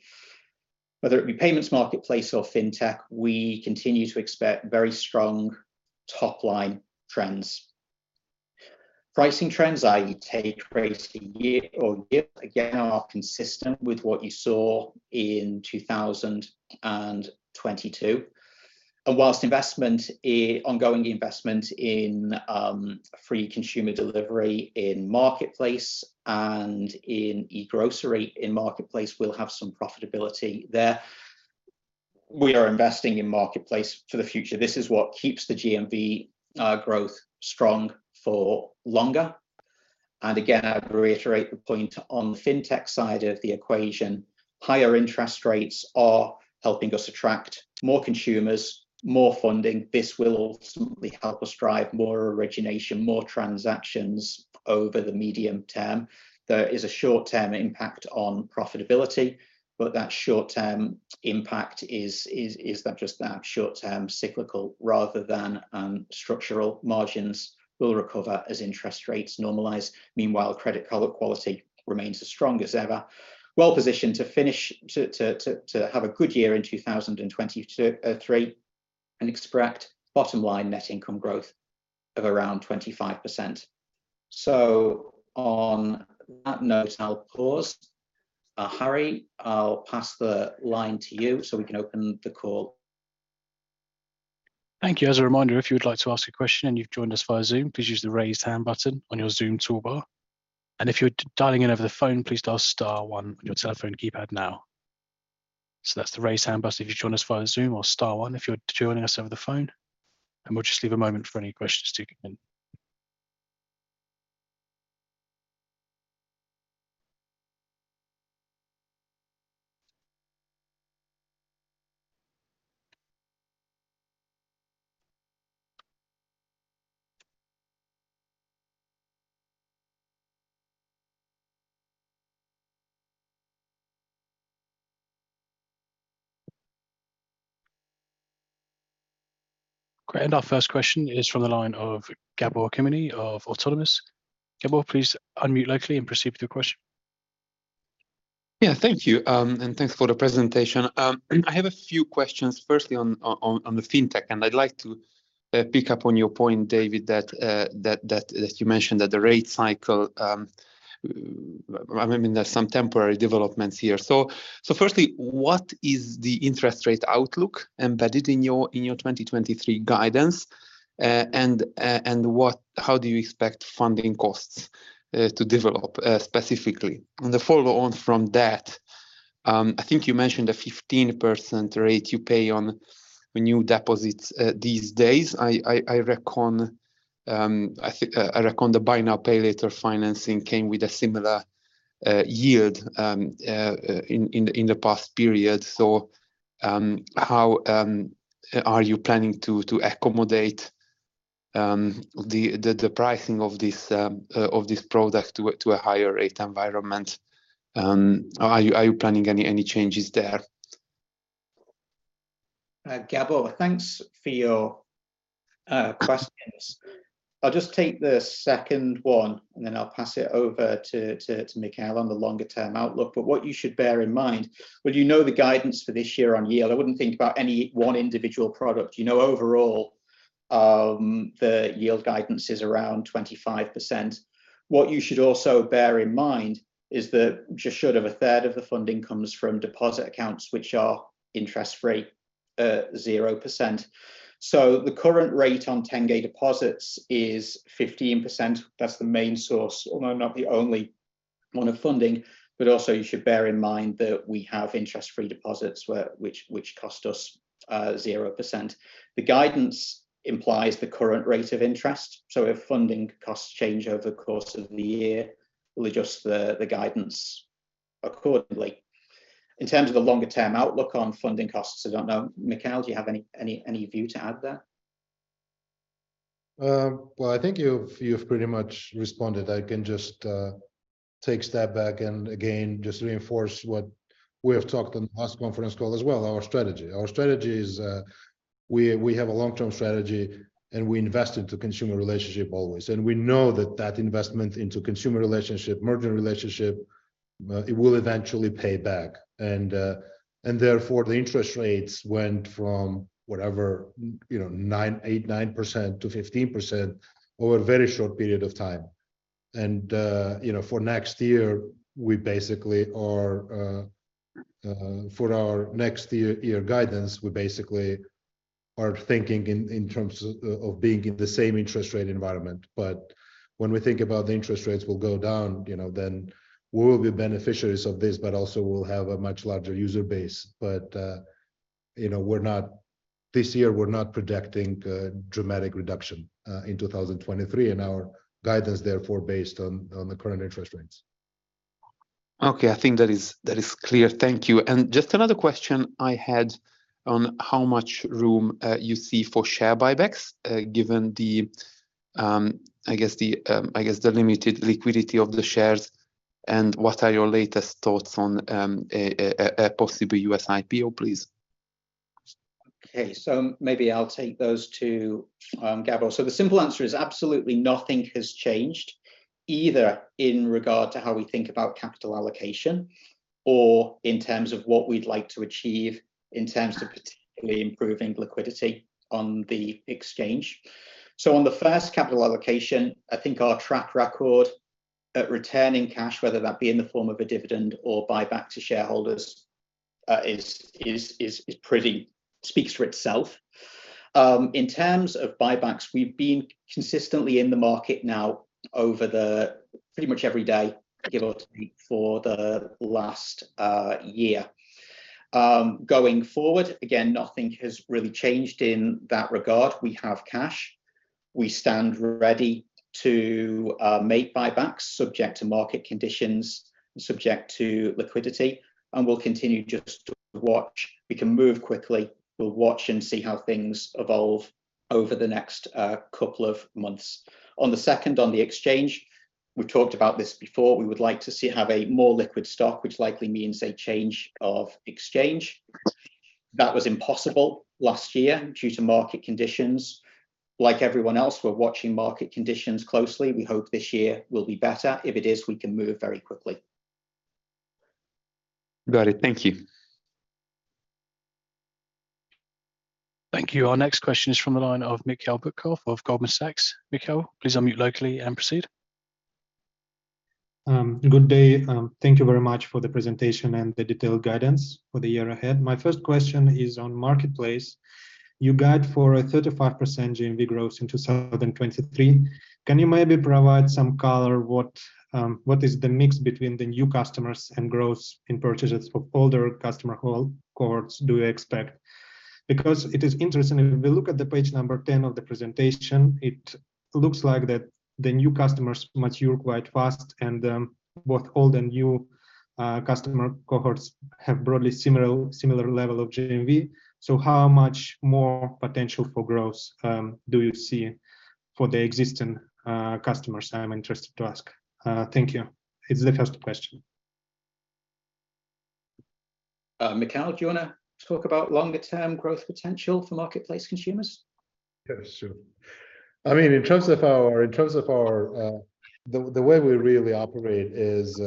whether it be Payments, Marketplace or Fintech, we continue to expect very strong top-line trends. Pricing trends, i.e. take rate year-on-year, again, are consistent with what you saw in 2022. Whilst ongoing investment in free consumer delivery in Marketplace and in e-Grocery in Marketplace will have some profitability there, we are investing in Marketplace for the future. This is what keeps the GMV growth strong for longer. Again, I'd reiterate the point on the Fintech side of the equation, higher interest rates are helping us attract more consumers, more funding. This will ultimately help us drive more origination, more transactions over the medium term. There is a short-term impact on profitability, that short-term impact is just that, short-term cyclical rather than structural margins will recover as interest rates normalize. Meanwhile, credit quality remains as strong as ever. Well positioned to finish to have a good year in 2023 and expect bottom line net income growth of around 25%. On that note, I'll pause. Harry, I'll pass the line to you, we can open the call. Thank you. As a reminder, if you would like to ask a question and you've joined us via Zoom, please use the raise hand button on your Zoom toolbar. If you're dialing in over the phone, please dial star one on your telephone keypad now. That's the raise hand button if you've joined us via Zoom, or star one if you're joining us over the phone. We'll just leave a moment for any questions to come in. Great. Our first question is from the line of Gabor Kemeny of Autonomous. Gabor, please unmute locally and proceed with your question. Yeah, thank you, and thanks for the presentation. I have a few questions, firstly on the Fintech, and I'd like to pick up on your point, David, that you mentioned that the rate cycle, I mean, there's some temporary developments here. Firstly, what is the interest rate outlook embedded in your 2023 guidance? How do you expect funding costs to develop specifically? The follow on from that, I think you mentioned a 15% rate you pay on new deposits these days. I reckon the buy now, pay later financing came with a similar yield in the past period. How are you planning to accommodate the pricing of this product to a higher rate environment? Are you planning any changes there? Gabor, thanks for your questions. I'll just take the second one, and then I'll pass it over to Mikheil on the longer term outlook. What you should bear in mind, well, you know the guidance for this year on yield, I wouldn't think about any one individual product. You know, overall, the yield guidance is around 25%. What you should also bear in mind is that just short of a third of the funding comes from deposit accounts, which are interest rate 0%. The current rate on 10-day deposits is 15%. That's the main source, although not the only one of funding. Also, you should bear in mind that we have interest-free deposits where which cost us 0%. The guidance implies the current rate of interest, so if funding costs change over the course of the year, we'll adjust the guidance accordingly. In terms of the longer term outlook on funding costs, I don't know. Mikheil, do you have any view to add there? Well, I think you've pretty much responded. I can just take a step back and again, just reinforce what we have talked on the last conference call as well, our strategy. Our strategy is we have a long-term strategy, and we invest into consumer relationship always. And we know that that investment into consumer relationship, merchant relationship, it will eventually pay back. And therefore, the interest rates went from whatever, you know, 8%-9% to 15% over a very short period of time. And, you know, for next year, we basically are for our next year guidance, we basically are thinking in terms of being in the same interest rate environment. When we think about the interest rates will go down, you know, then we will be beneficiaries of this, but also we'll have a much larger user base. But, you know, this year we're not projecting a dramatic reduction in 2023, and our guidance therefore based on the current interest rates. Okay. I think that is clear. Thank you. Just another question I had on how much room you see for share buybacks given the limited liquidity of the shares, and what are your latest thoughts on a possible US IPO, please? Okay. Maybe I'll take those two, Gabor. The simple answer is absolutely nothing has changed, either in regard to how we think about capital allocation or in terms of what we'd like to achieve in terms of particularly improving liquidity on the exchange. On the first capital allocation, I think our track record at returning cash, whether that be in the form of a dividend or buyback to shareholders, is pretty. Speaks for itself. In terms of buybacks, we've been consistently in the market now over the pretty much every day, give or take, for the last year. Going forward, again, nothing has really changed in that regard. We have cash. We stand ready to make buybacks subject to market conditions and subject to liquidity, and we'll continue just to watch. We can move quickly. We'll watch and see how things evolve over the next couple of months. On the second, on the exchange, we've talked about this before. We would like to see, have a more liquid stock, which likely means a change of exchange. That was impossible last year due to market conditions. Like everyone else, we're watching market conditions closely. We hope this year will be better. If it is, we can move very quickly. Got it. Thank you. Thank you. Our next question is from the line of Mikhail Butkov of Goldman Sachs. Mikhail, please unmute locally and proceed. Good day. Thank you very much for the presentation and the detailed guidance for the year ahead. My first question is on Marketplace. You guide for a 35% GMV growth in 2023. Can you maybe provide some color what is the mix between the new customers and growth in purchases for older customer cohorts do you expect? Because it is interesting, if we look at the page number 10 of the presentation, it looks like that the new customers mature quite fast and, both old and new customer cohorts have broadly similar level of GMV. How much more potential for growth, do you see for the existing customers? I'm interested to ask. Thank you. It's the first question. Mikheil, do you wanna talk about longer term growth potential for Marketplace consumers? Yeah, sure. I mean, in terms of our, the way we really operate is,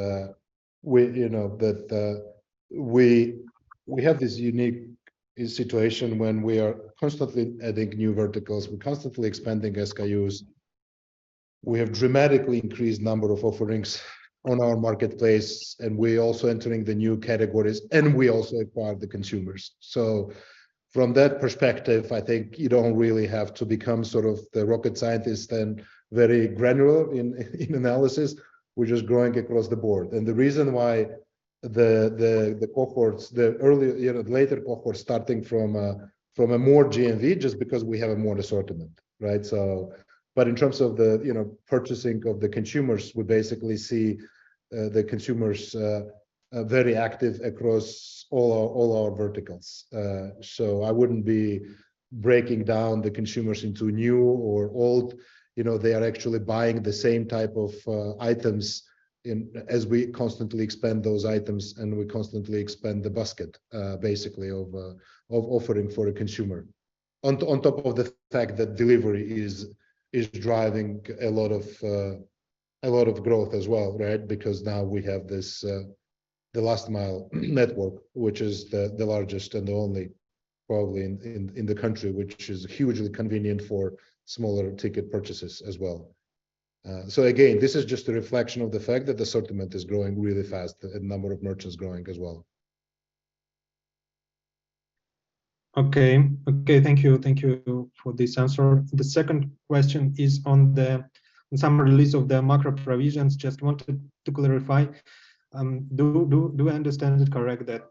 we, you know, that we have this unique situation when we are constantly adding new verticals. We're constantly expanding SKUs. We have dramatically increased number of offerings on our Marketplace. We're also entering the new categories. We also acquire the consumers. From that perspective, I think you don't really have to become sort of the rocket scientist and very granular in analysis. We're just growing across the board. The reason why the cohorts, the earlier, you know, later cohorts starting from a more GMV just because we have a more assortment, right? In terms of the, you know, purchasing of the consumers, we basically see the consumers very active across all our, all our verticals. I wouldn't be breaking down the consumers into new or old. You know, they are actually buying the same type of items as we constantly expand those items, and we constantly expand the basket basically of offering for a consumer. On top of the fact that delivery is driving a lot of growth as well, right? Because now we have this the last-mile-delivery network, which is the largest and the only probably in the country, which is hugely convenient for smaller ticket purchases as well. Again, this is just a reflection of the fact that the assortment is growing really fast, the number of merchants growing as well. Okay, thank you. Thank you for this answer. The second question is on the summary release of the macro provisions. Just wanted to clarify, do I understand it correct that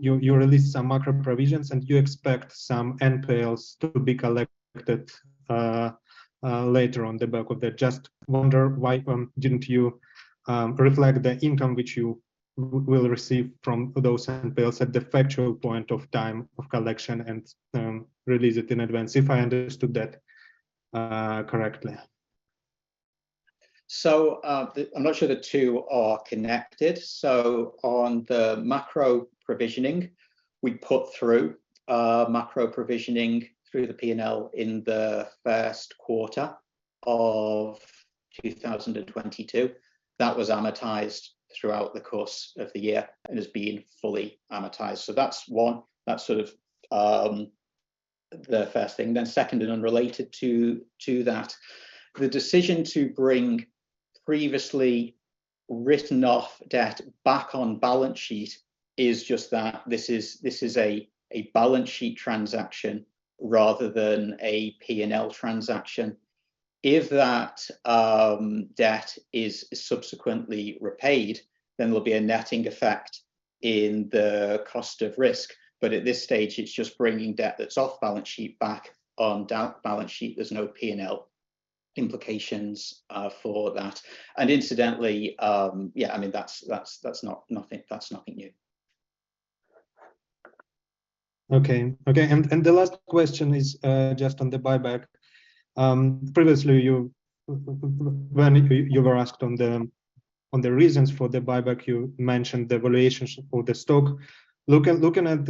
you released some macro provisions and you expect some NPLs to be collected later on the back of that? Just wonder why didn't you reflect the income which you will receive from those NPLs at the factual point of time of collection and release it in advance, if I understood that correctly? I'm not sure the two are connected. On the macro provisioning, we put through macro provisioning through the P&L in the first quarter of 2022. That was amortized throughout the course of the year and has been fully amortized. That's one. That's sort of, I mean, the first thing. Second and unrelated to that, the decision to bring previously written off debt back on balance sheet is just that. This is a balance sheet transaction rather than a P&L transaction. If that debt is subsequently repaid, then there'll be a netting effect in the cost of risk. But at this stage, it's just bringing debt that's off balance sheet back on balance sheet. There's no P&L implications for that. Incidentally, I mean, that's not nothing, that's nothing new. Okay. Okay, the last question is just on the buyback. Previously when you were asked on the reasons for the buyback, you mentioned the valuation for the stock. Looking at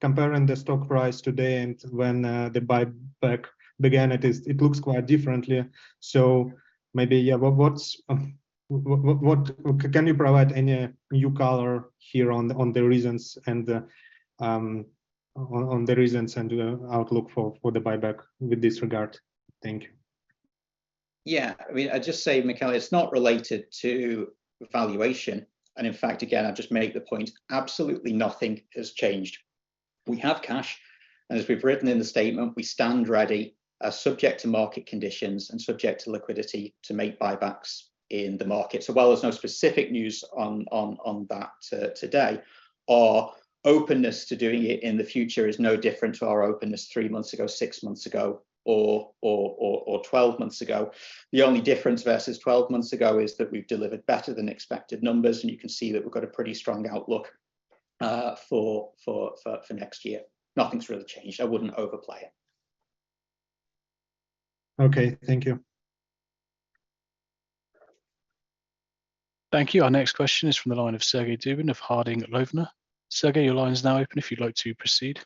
comparing the stock price today and when the buyback began, it is, it looks quite differently. Maybe what's can you provide any new color here on the reasons and the outlook for the buyback with this regard. Thank you. I mean, I'd just say, Mikhail, it's not related to valuation and in fact, again, I'd just make the point absolutely nothing has changed. We have cash, and as we've written in the statement, we stand ready, subject to market conditions and subject to liquidity, to make buybacks in the market. While there's no specific news on that today, our openness to doing it in the future is no different to our openness three months ago, six months ago or 12 months ago. The only difference versus 12 months ago is that we've delivered better than expected numbers, and you can see that we've got a pretty strong outlook for next year. Nothing's really changed. I wouldn't overplay it. Okay. Thank you. Thank you. Our next question is from the line of Sergey Dubin of Harding Loevner. Sergey, your line is now open if you'd like to proceed.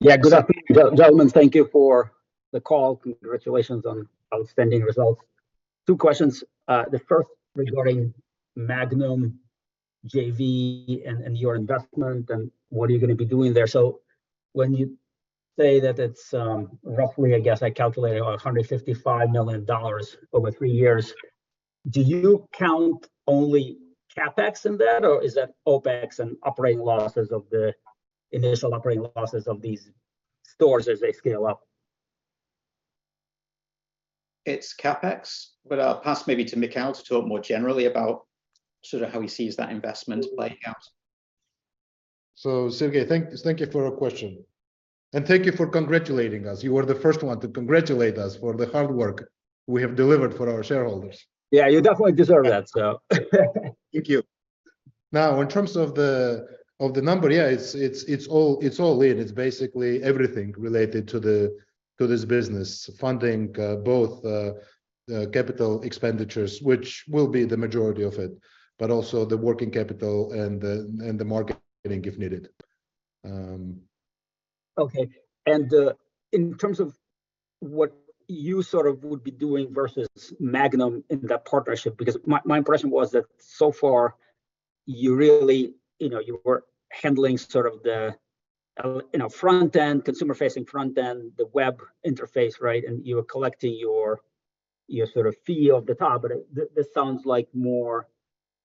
Yeah. Good afternoon, gentlemen. Thank you for the call. Congratulations on outstanding results. Two questions. The first regarding Magnum JV and your investment and what are you gonna be doing there. When you say that it's, roughly, I guess, I calculate, around $155 million over three years, do you count only CapEx in that or is that OpEx and operating losses of the initial operating losses of these stores as they scale up? It's CapEx. I'll pass maybe to Mikheil to talk more generally about sort of how he sees that investment playing out. Sergey, thank you for your question and thank you for congratulating us. You are the first one to congratulate us for the hard work we have delivered for our shareholders. Yeah. You definitely deserve that, so thank you. In terms of the number, yeah, it's all in. It's basically everything related to this business funding, both capital expenditures, which will be the majority of it, but also the working capital and the marketing if needed. Okay. In terms of what you sort of would be doing versus Magnum in that partnership, because my impression was that so far you really, you know, you were handling sort of the, you know, front end, consumer facing front end, the web interface, right? You were collecting your sort of fee off the top. This sounds like more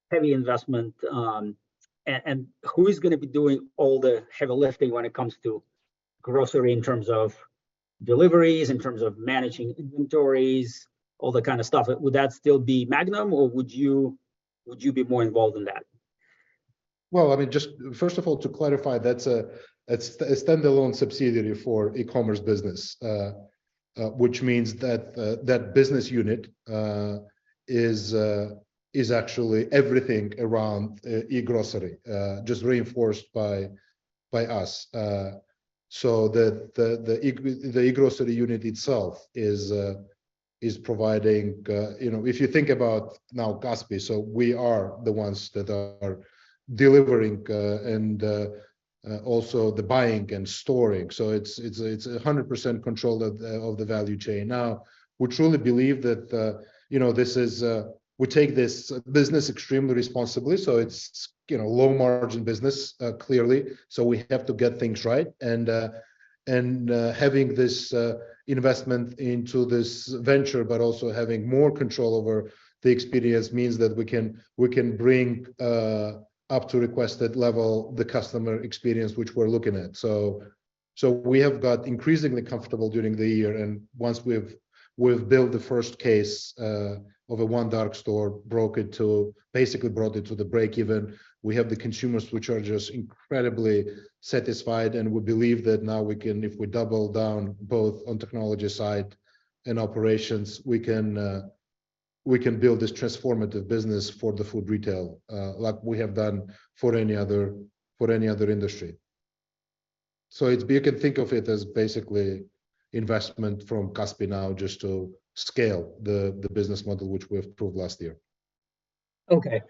heavy investment. Who is gonna be doing all the heavy lifting when it comes to grocery in terms of deliveries, in terms of managing inventories, all that kind of stuff? Would that still be Magnum or would you, would you be more involved in that? Well, I mean, just first of all, to clarify, that's a, it's a standalone subsidiary for e-Commerce business. Which means that that business unit is actually everything around e-Grocery just reinforced by us. The e-Grocery unit itself is providing... You know, if you think about now Kaspi, we are the ones that are delivering and also the buying and storing. It's a 100% control of the value chain. Now, we truly believe that, you know, this is, we take this business extremely responsibly, so it's, you know, low margin business, clearly, so we have to get things right. Having this investment into this venture, but also having more control over the experience means that we can bring up to requested level the customer experience which we're looking at. We have got increasingly comfortable during the year and once we've built the first case of a one dark store, broke it to basically brought it to the break even. We have the consumers which are just incredibly satisfied, and we believe that now we can, if we double down both on technology side and operations, we can build this transformative business for the food retail, like we have done for any other industry. You can think of it as basically investment from Kaspi now just to scale the business model which we have proved last year. Okay.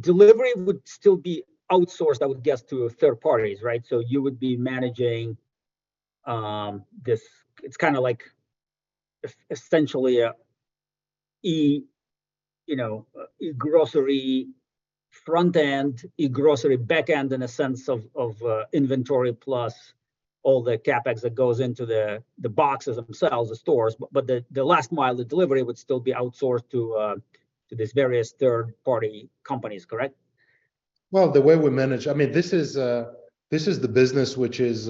Delivery would still be outsourced, I would guess, to third parties, right? You would be managing this. It's kinda like essentially a, you know, e-Grocery front end, e-Grocery back end in a sense of inventory plus all the CapEx that goes into the boxes themselves, the stores. The last-mile-delivery would still be outsourced to these various third party companies, correct? Well, the way we manage... I mean, this is the business which is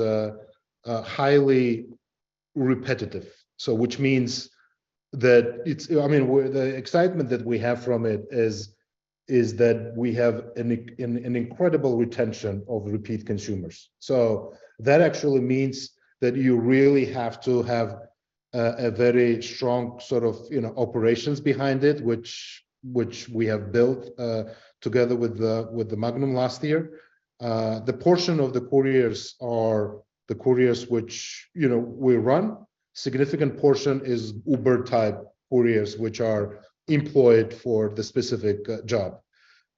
highly repetitive, which means that it's... I mean, the excitement that we have from it is that we have an incredible retention of repeat consumers. That actually means that you really have to have a very strong sort of, you know, operations behind it, which we have built together with the Magnum last year. The portion of the couriers are the couriers which, you know, we run. Significant portion is Uber-type couriers which are employed for the specific job.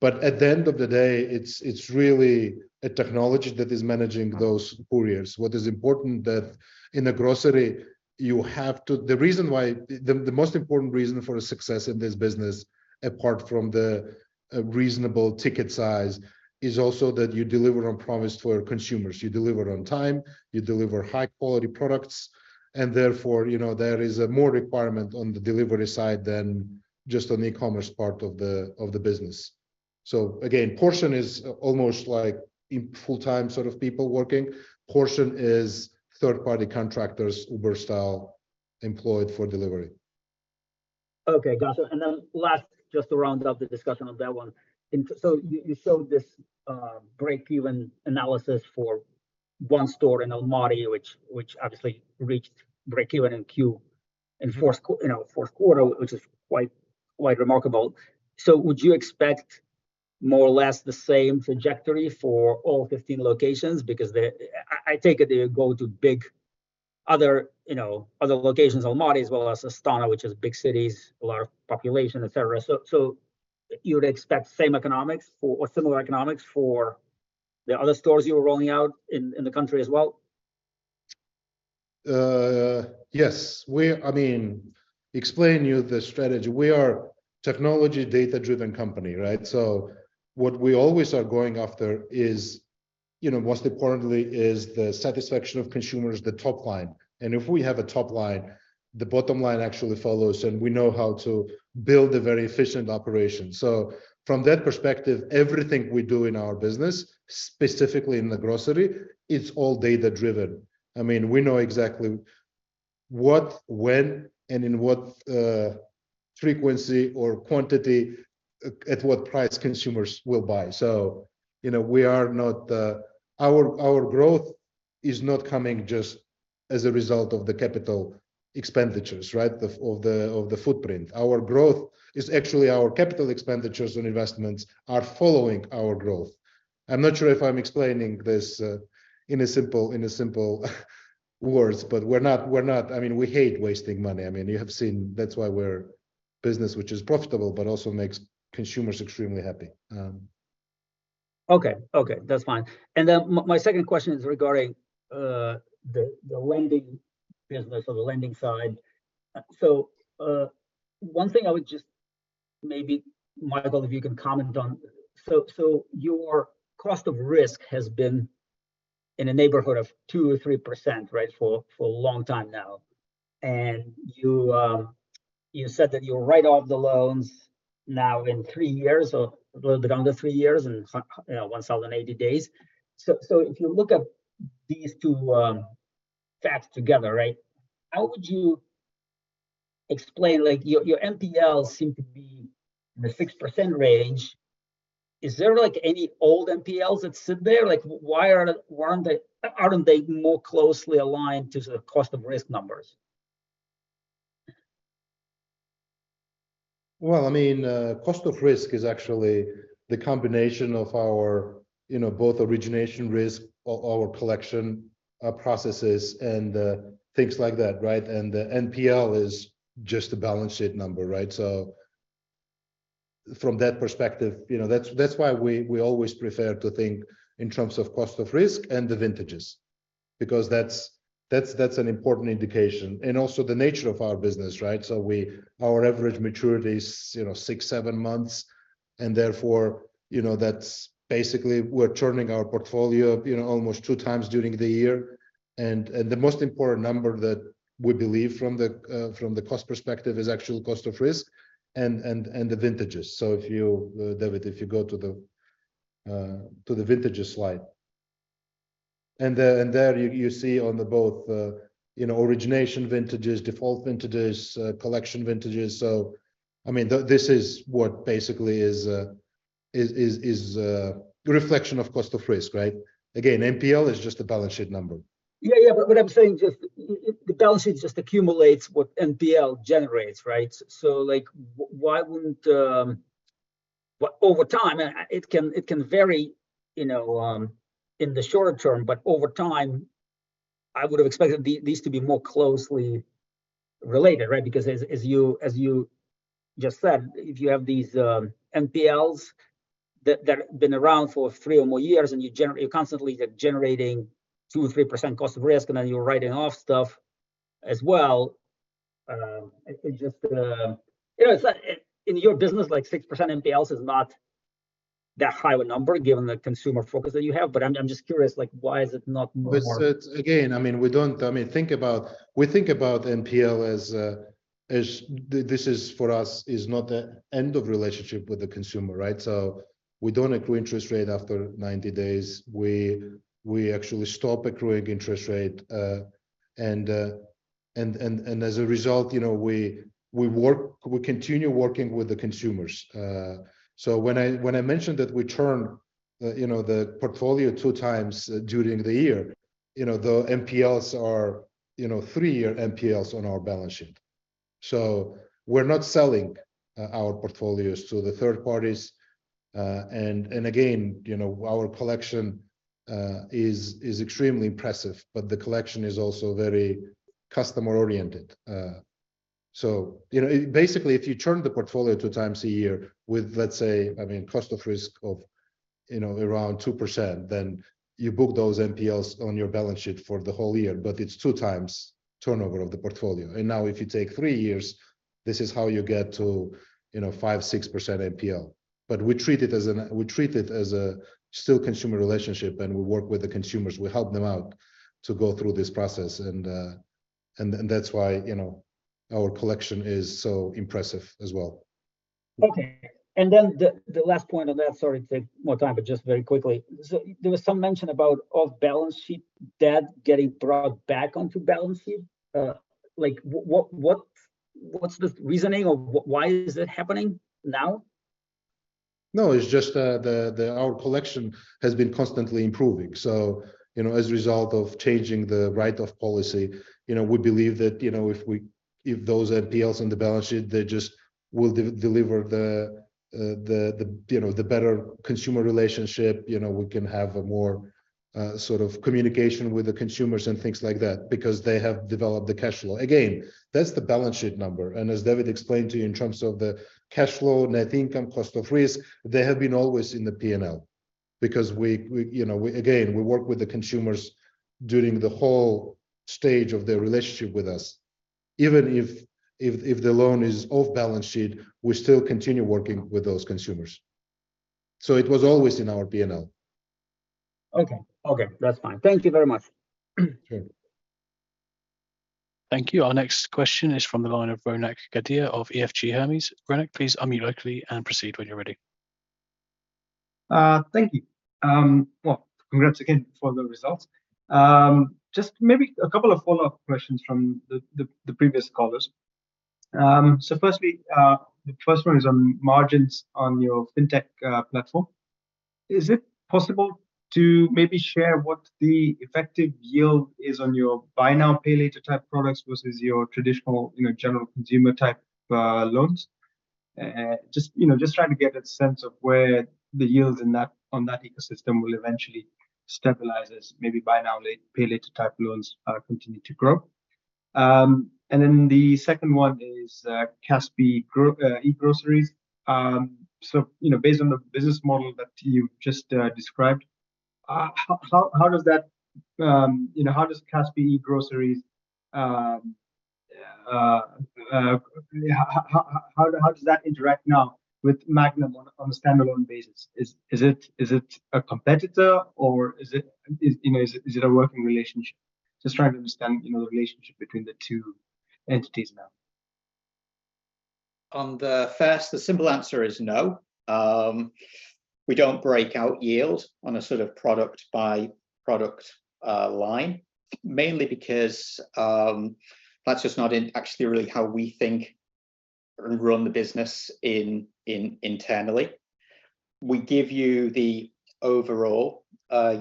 At the end of the day, it's really a technology that is managing those couriers. What is important that in a grocery you have to... The reason why... The most important reason for the success in this business, apart from the reasonable ticket size, is also that you deliver on promise to our consumers. You deliver on time, you deliver high-quality products, and therefore, you know, there is more requirement on the delivery side than just on the e-Commerce part of the business. Again, portion is almost like full-time sort of people working. Portion is third-party contractors, Uber-style, employed for delivery. Gotcha. Last, just to round up the discussion on that one. You showed this break-even analysis for one store in Almaty, which obviously reached break-even in fourth quarter, which is quite remarkable. Would you expect more or less the same trajectory for all 15 locations? Because I take it they go to big other, you know, other locations, Almaty as well as Astana, which is big cities, a lot of population, et cetera. You would expect same economics for, or similar economics for the other stores you are rolling out in the country as well? Yes. We I mean, explain you the strategy. We are technology data-driven company, right? What we always are going after is, you know, most importantly is the satisfaction of consumers, the top line. If we have a top line, the bottom line actually follows, and we know how to build a very efficient operation. From that perspective, everything we do in our business, specifically in the grocery, it's all data-driven. I mean, we know exactly what, when, and in what frequency or quantity, at what price consumers will buy. You know, we are not. Our growth is not coming just as a result of the capital expenditures, right, of the footprint. Our growth is, actually, our capital expenditures and investments are following our growth. I'm not sure if I'm explaining this, in a simple words, but we're not. I mean, we hate wasting money. I mean, you have seen that's why we're business which is profitable, but also makes consumers extremely happy. Okay. That's fine. My second question is regarding the lending business or the lending side. One thing I would just maybe, Mikheil, if you can comment on. Your cost of risk has been in a neighborhood of 2% or 3%, right, for a long time now. You said that you write off the loans now in three years or a little bit under three years, in you know, 1,080 days. If you look at these two facts together, right, how would you explain... Like, your NPLs seem to be in the 6% range. Is there, like, any old NPLs that sit there? Like, why aren't they more closely aligned to the cost of risk numbers? Well, I mean, cost of risk is actually the combination of our, you know, both origination risk or our collection processes and things like that, right? The NPL is just a balance sheet number, right? From that perspective, you know, that's why we always prefer to think in terms of cost of risk and the vintages, because that's an important indication and also the nature of our business, right? Our average maturity is, you know, 6-7 months, and therefore, you know, that's basically we're turning our portfolio, you know, almost 2x during the year. The most important number that we believe from the cost perspective is actual cost of risk and the vintages. If you, David, if you go to the vintages slide. There you see on the both, you know, origination vintages, default vintages, collection vintages. I mean, this is what basically is a reflection of cost of risk, right? Again, NPL is just a balance sheet number. Yeah, yeah. What I'm saying, just, the balance sheet just accumulates what NPL generates, right? Like, why wouldn't... Well, over time, it can, it can vary, you know, in the short term, but over time, I would have expected these to be more closely related, right? As, as you, as you just said, if you have these NPLs that been around for three or more years and you're constantly generating 2% or 3% cost of risk, and then you're writing off stuff as well, it just... You know, it's, in your business, like, 6% NPLs is not that high a number given the consumer focus that you have. I'm just curious, like, why is it not more- Again, I mean, we don't... We think about NPL as this is, for us, is not an end of relationship with the consumer, right? We don't accrue interest rate after 90 days. We actually stop accruing interest rate. As a result, you know, we continue working with the consumers. When I mentioned that we turn the, you know, the portfolio 2x during the year, you know, the NPLs are, you know, 3-year NPLs on our balance sheet. We're not selling our portfolios to the third parties. Again, you know, our collection is extremely impressive, but the collection is also very customer-oriented. You know, basically, if you turn the portfolio 2x a year with, let's say, I mean, cost of risk of, you know, around 2%, then you book those NPLs on your balance sheet for the whole year, but it's 2x turnover of the portfolio. Now if you take three years, this is how you get to, you know, 5%-6% NPL. We treat it as a still consumer relationship, and we work with the consumers. We help them out to go through this process, and that's why, you know, our collection is so impressive as well. Okay. Then the last point on that, sorry to take more time, but just very quickly. There was some mention about off-balance sheet debt getting brought back onto balance sheet. Like what's the reasoning or why is it happening now? No, it's just, the Our collection has been constantly improving. You know, as a result of changing the write-off policy, you know, we believe that, you know, if we, if those NPLs on the balance sheet, they just will de-deliver the, you know, the better consumer relationship. You know, we can have a more, sort of communication with the consumers and things like that because they have developed the cash flow. Again, that's the balance sheet number, and as David explained to you in terms of the cash flow, net income, cost of risk, they have been always in the P&L because we, you know, we again, we work with the consumers during the whole stage of their relationship with us. Even if the loan is off balance sheet, we still continue working with those consumers. It was always in our P&L. Okay. Okay, that's fine. Thank you very much. Sure. Thank you. Our next question is from the line of Ronak Gadhia of EFG Hermes. Ronak, please unmute locally and proceed when you're ready. Thank you. Well, congrats again for the results. Just maybe a couple of follow-up questions from the, the previous callers. Firstly, the first one is on margins on your Fintech Platform. Is it possible to maybe share what the effective yield is on your buy now, pay later type products versus your traditional, you know, general consumer type loans? Just, you know, just trying to get a sense of where the yields in that, on that ecosystem will eventually stabilize as maybe buy now, pay later type loans continue to grow. Then the second one is Kaspi e-Grocery. You know, based on the business model that you just described, how does that, you know, how does Kaspi e-Grocery, how does that interact now with Magnum on a standalone basis? Is it a competitor or is it, you know, is it a working relationship? Just trying to understand, you know, the relationship between the two entities now. On the first, the simple answer is no. We don't break out yield on a sort of product-by-product line, mainly because that's just not actually really how we think and run the business internally. We give you the overall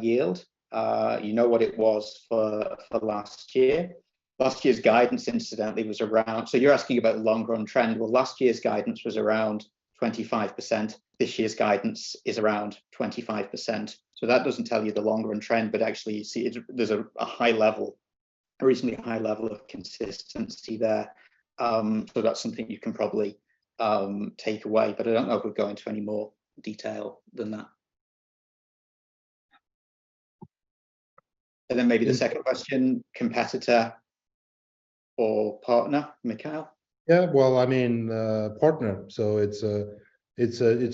yield. You know what it was for last year. Last year's guidance incidentally was around. You're asking about longer run trend. Well, last year's guidance was around 25%. This year's guidance is around 25%. That doesn't tell you the longer run trend, but actually you see it, there's a high level, a reasonably high level of consistency there. That's something you can probably take away. I don't know if we'll go into any more detail than that. Maybe the second question, competitor or partner, Mikheil? Yeah. Well, I mean, partner, it's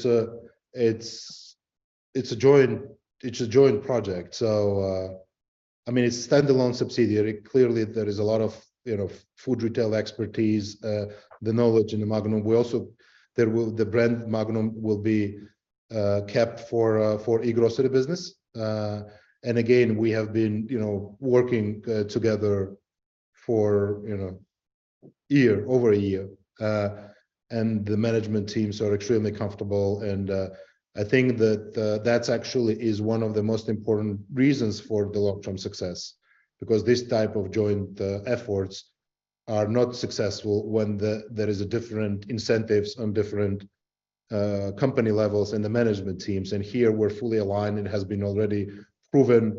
a joint project. I mean, it's standalone subsidiary. Clearly there is a lot of, you know, food retail expertise, the knowledge in the Magnum. The brand Magnum will be kept for e-Grocery business. Again, we have been, you know, working together for, you know, year, over a year. The management teams are extremely comfortable and, I think that's actually is one of the most important reasons for the long-term success, because this type of joint efforts are not successful when there is a different incentives on different company levels in the management teams. Here we're fully aligned and has been already proven.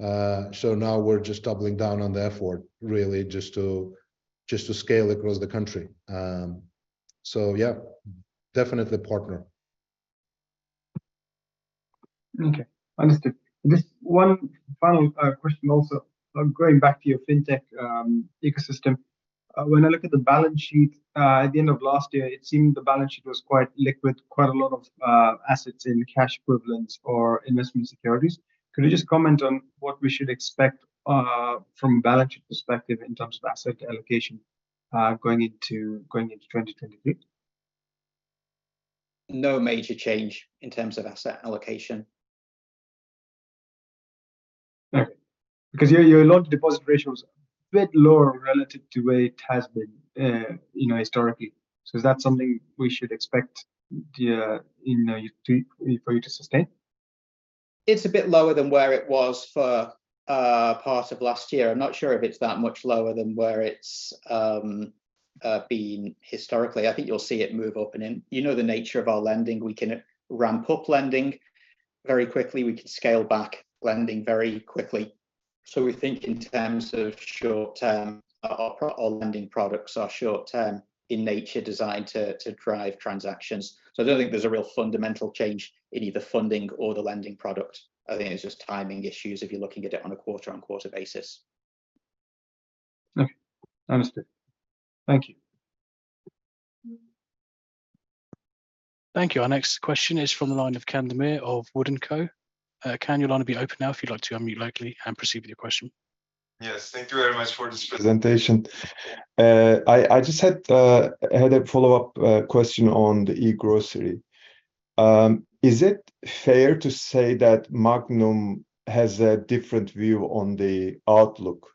Now we're just doubling down on the effort really just to scale across the country. Yeah, definitely partner. Okay, understood. Just one final question also. Going back to your Fintech ecosystem, when I look at the balance sheet, at the end of last year, it seemed the balance sheet was quite liquid, quite a lot of assets in cash equivalents or investment securities. Could you just comment on what we should expect from a balance sheet perspective in terms of asset allocation, going into 2023? No major change in terms of asset allocation. Okay. Because your loan deposit ratio is a bit lower relative to where it has been, you know, historically. Is that something we should expect, you know, you to, for you to sustain? It's a bit lower than where it was for part of last year. I'm not sure if it's that much lower than where it's been historically. I think you'll see it move up and in. You know the nature of our lending. We can ramp up lending very quickly. We can scale back lending very quickly. So we think in terms of short-term, our lending products are short-term in nature, designed to drive transactions. So I don't think there's a real fundamental change in either funding or the lending product. I think it's just timing issues if you're looking at it on a quarter-on-quarter basis. Okay. Understood. Thank you. Thank you. Our next question is from the line of Can Demir of Wood & Co.. Can, your line will be open now if you'd like to unmute locally and proceed with your question. Yes, thank you very much for this presentation. I just had a follow-up question on the e-Grocery. Is it fair to say that Magnum has a different view on the outlook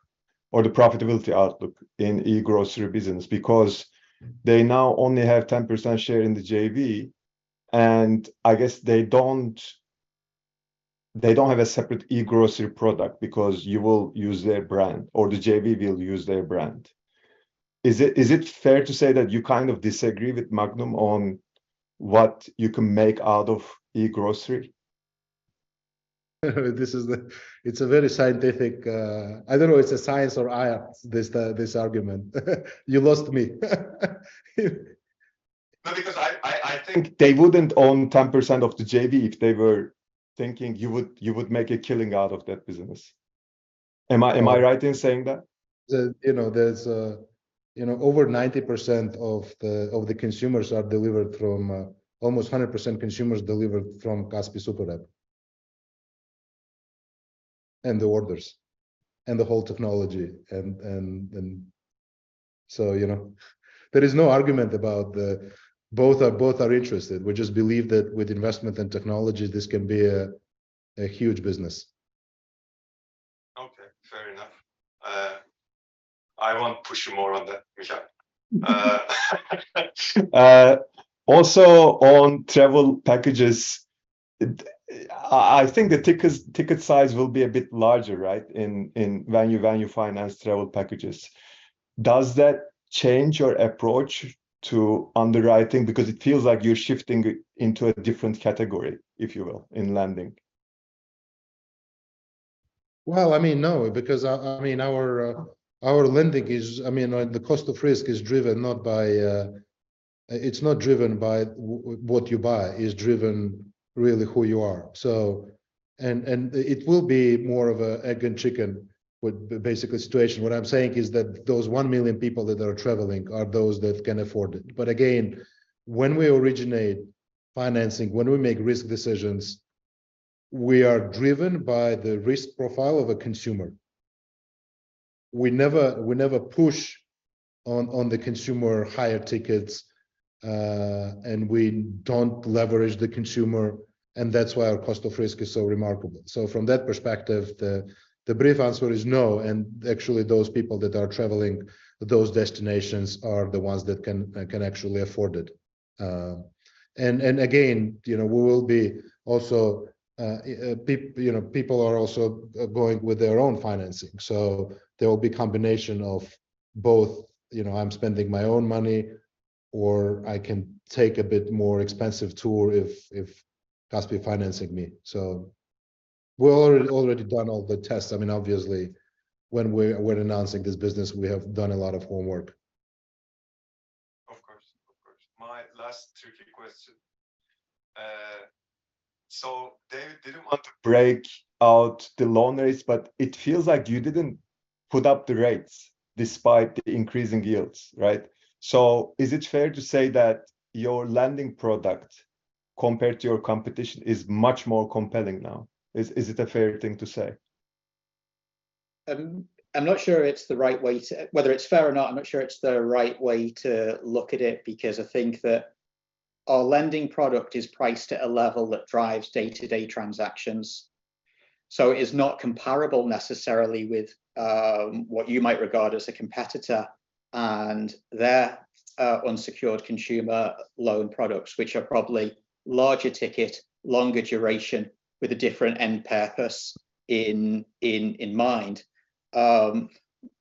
or the profitability outlook in e-Grocery business? Because they now only have 10% share in the JV, and I guess they don't have a separate e-Grocery product because you will use their brand, or the JV will use their brand. Is it fair to say that you kind of disagree with Magnum on what you can make out of e-Grocery? It's a very scientific. I don't know it's a science or art, this argument. You lost me. No, because I think they wouldn't own 10% of the JV if they were thinking you would make a killing out of that business. Am I right in saying that? The, you know, there's, you know, over 90% of the, of the consumers are delivered from, almost 100% consumers delivered from Kaspi.kz Super App and the orders and the whole technology and so, you know. There is no argument about the. Both are interested. We just believe that with investment and technology, this can be a huge business. Okay. Fair enough. I won't push you more on that, Mikheil. Also on Travel packages, I think the ticket size will be a bit larger, right, in when you finance Travel packages. Does that change your approach to underwriting? Because it feels like you're shifting into a different category, if you will, in lending. Well, I mean, no, because, I mean, our lending is... I mean, the cost of risk is driven not by, it's not driven by what you buy. It's driven really who you are. It will be more of a egg and chicken basically situation. What I'm saying is that those 1 million people that are traveling are those that can afford it. Again, when we originate financing, when we make risk decisions, we are driven by the risk profile of a consumer. We never push on the consumer higher tickets, we don't leverage the consumer, that's why our cost of risk is so remarkable. From that perspective, the brief answer is no. Actually those people that are traveling those destinations are the ones that can actually afford it. Again, you know, we will be also, you know, people are also going with their own financing, so there will be combination of both, you know, I'm spending my own money, or I can take a bit more expensive tour if Kaspi financing me. We're already done all the tests. I mean, obviously when we're announcing this business, we have done a lot of homework. Of course. Of course. My last tricky question. David didn't want to break out the loan rates, but it feels like you didn't put up the rates despite the increasing yields, right? Is it fair to say that your lending product compared to your competition is much more compelling now? Is it a fair thing to say? Whether it's fair or not, I'm not sure it's the right way to look at it, because I think that our lending product is priced at a level that drives day-to-day transactions. It is not comparable necessarily with what you might regard as a competitor and their unsecured consumer loan products, which are probably larger ticket, longer duration with a different end purpose in mind.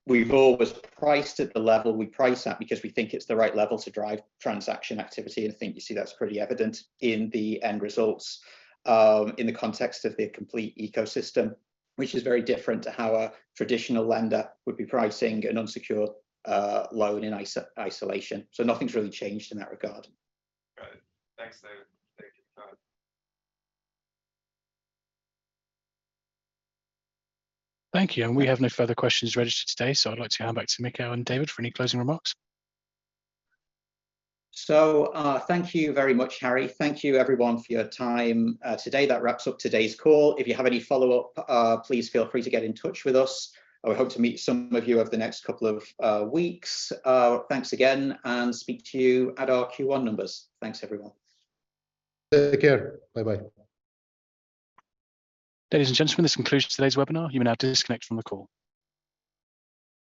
We've always priced at the level we price at because we think it's the right level to drive transaction activity, and I think you see that's pretty evident in the end results in the context of the complete ecosystem, which is very different to how a traditional lender would be pricing an unsecured loan in isolation. Nothing's really changed in that regard. Right. Thanks, David. Thank you. Bye. Thank you, and we have no further questions registered today, so I'd like to hand back to Mikheil and David for any closing remarks. Thank you very much, Harry. Thank you everyone for your time today. That wraps up today's call. If you have any follow-up, please feel free to get in touch with us, and we hope to meet some of you over the next couple of weeks. Thanks again, and speak to you at our Q1 numbers. Thanks, everyone. Take care. Bye-bye. Ladies and gentlemen, this concludes today's webinar. You may now disconnect from the call.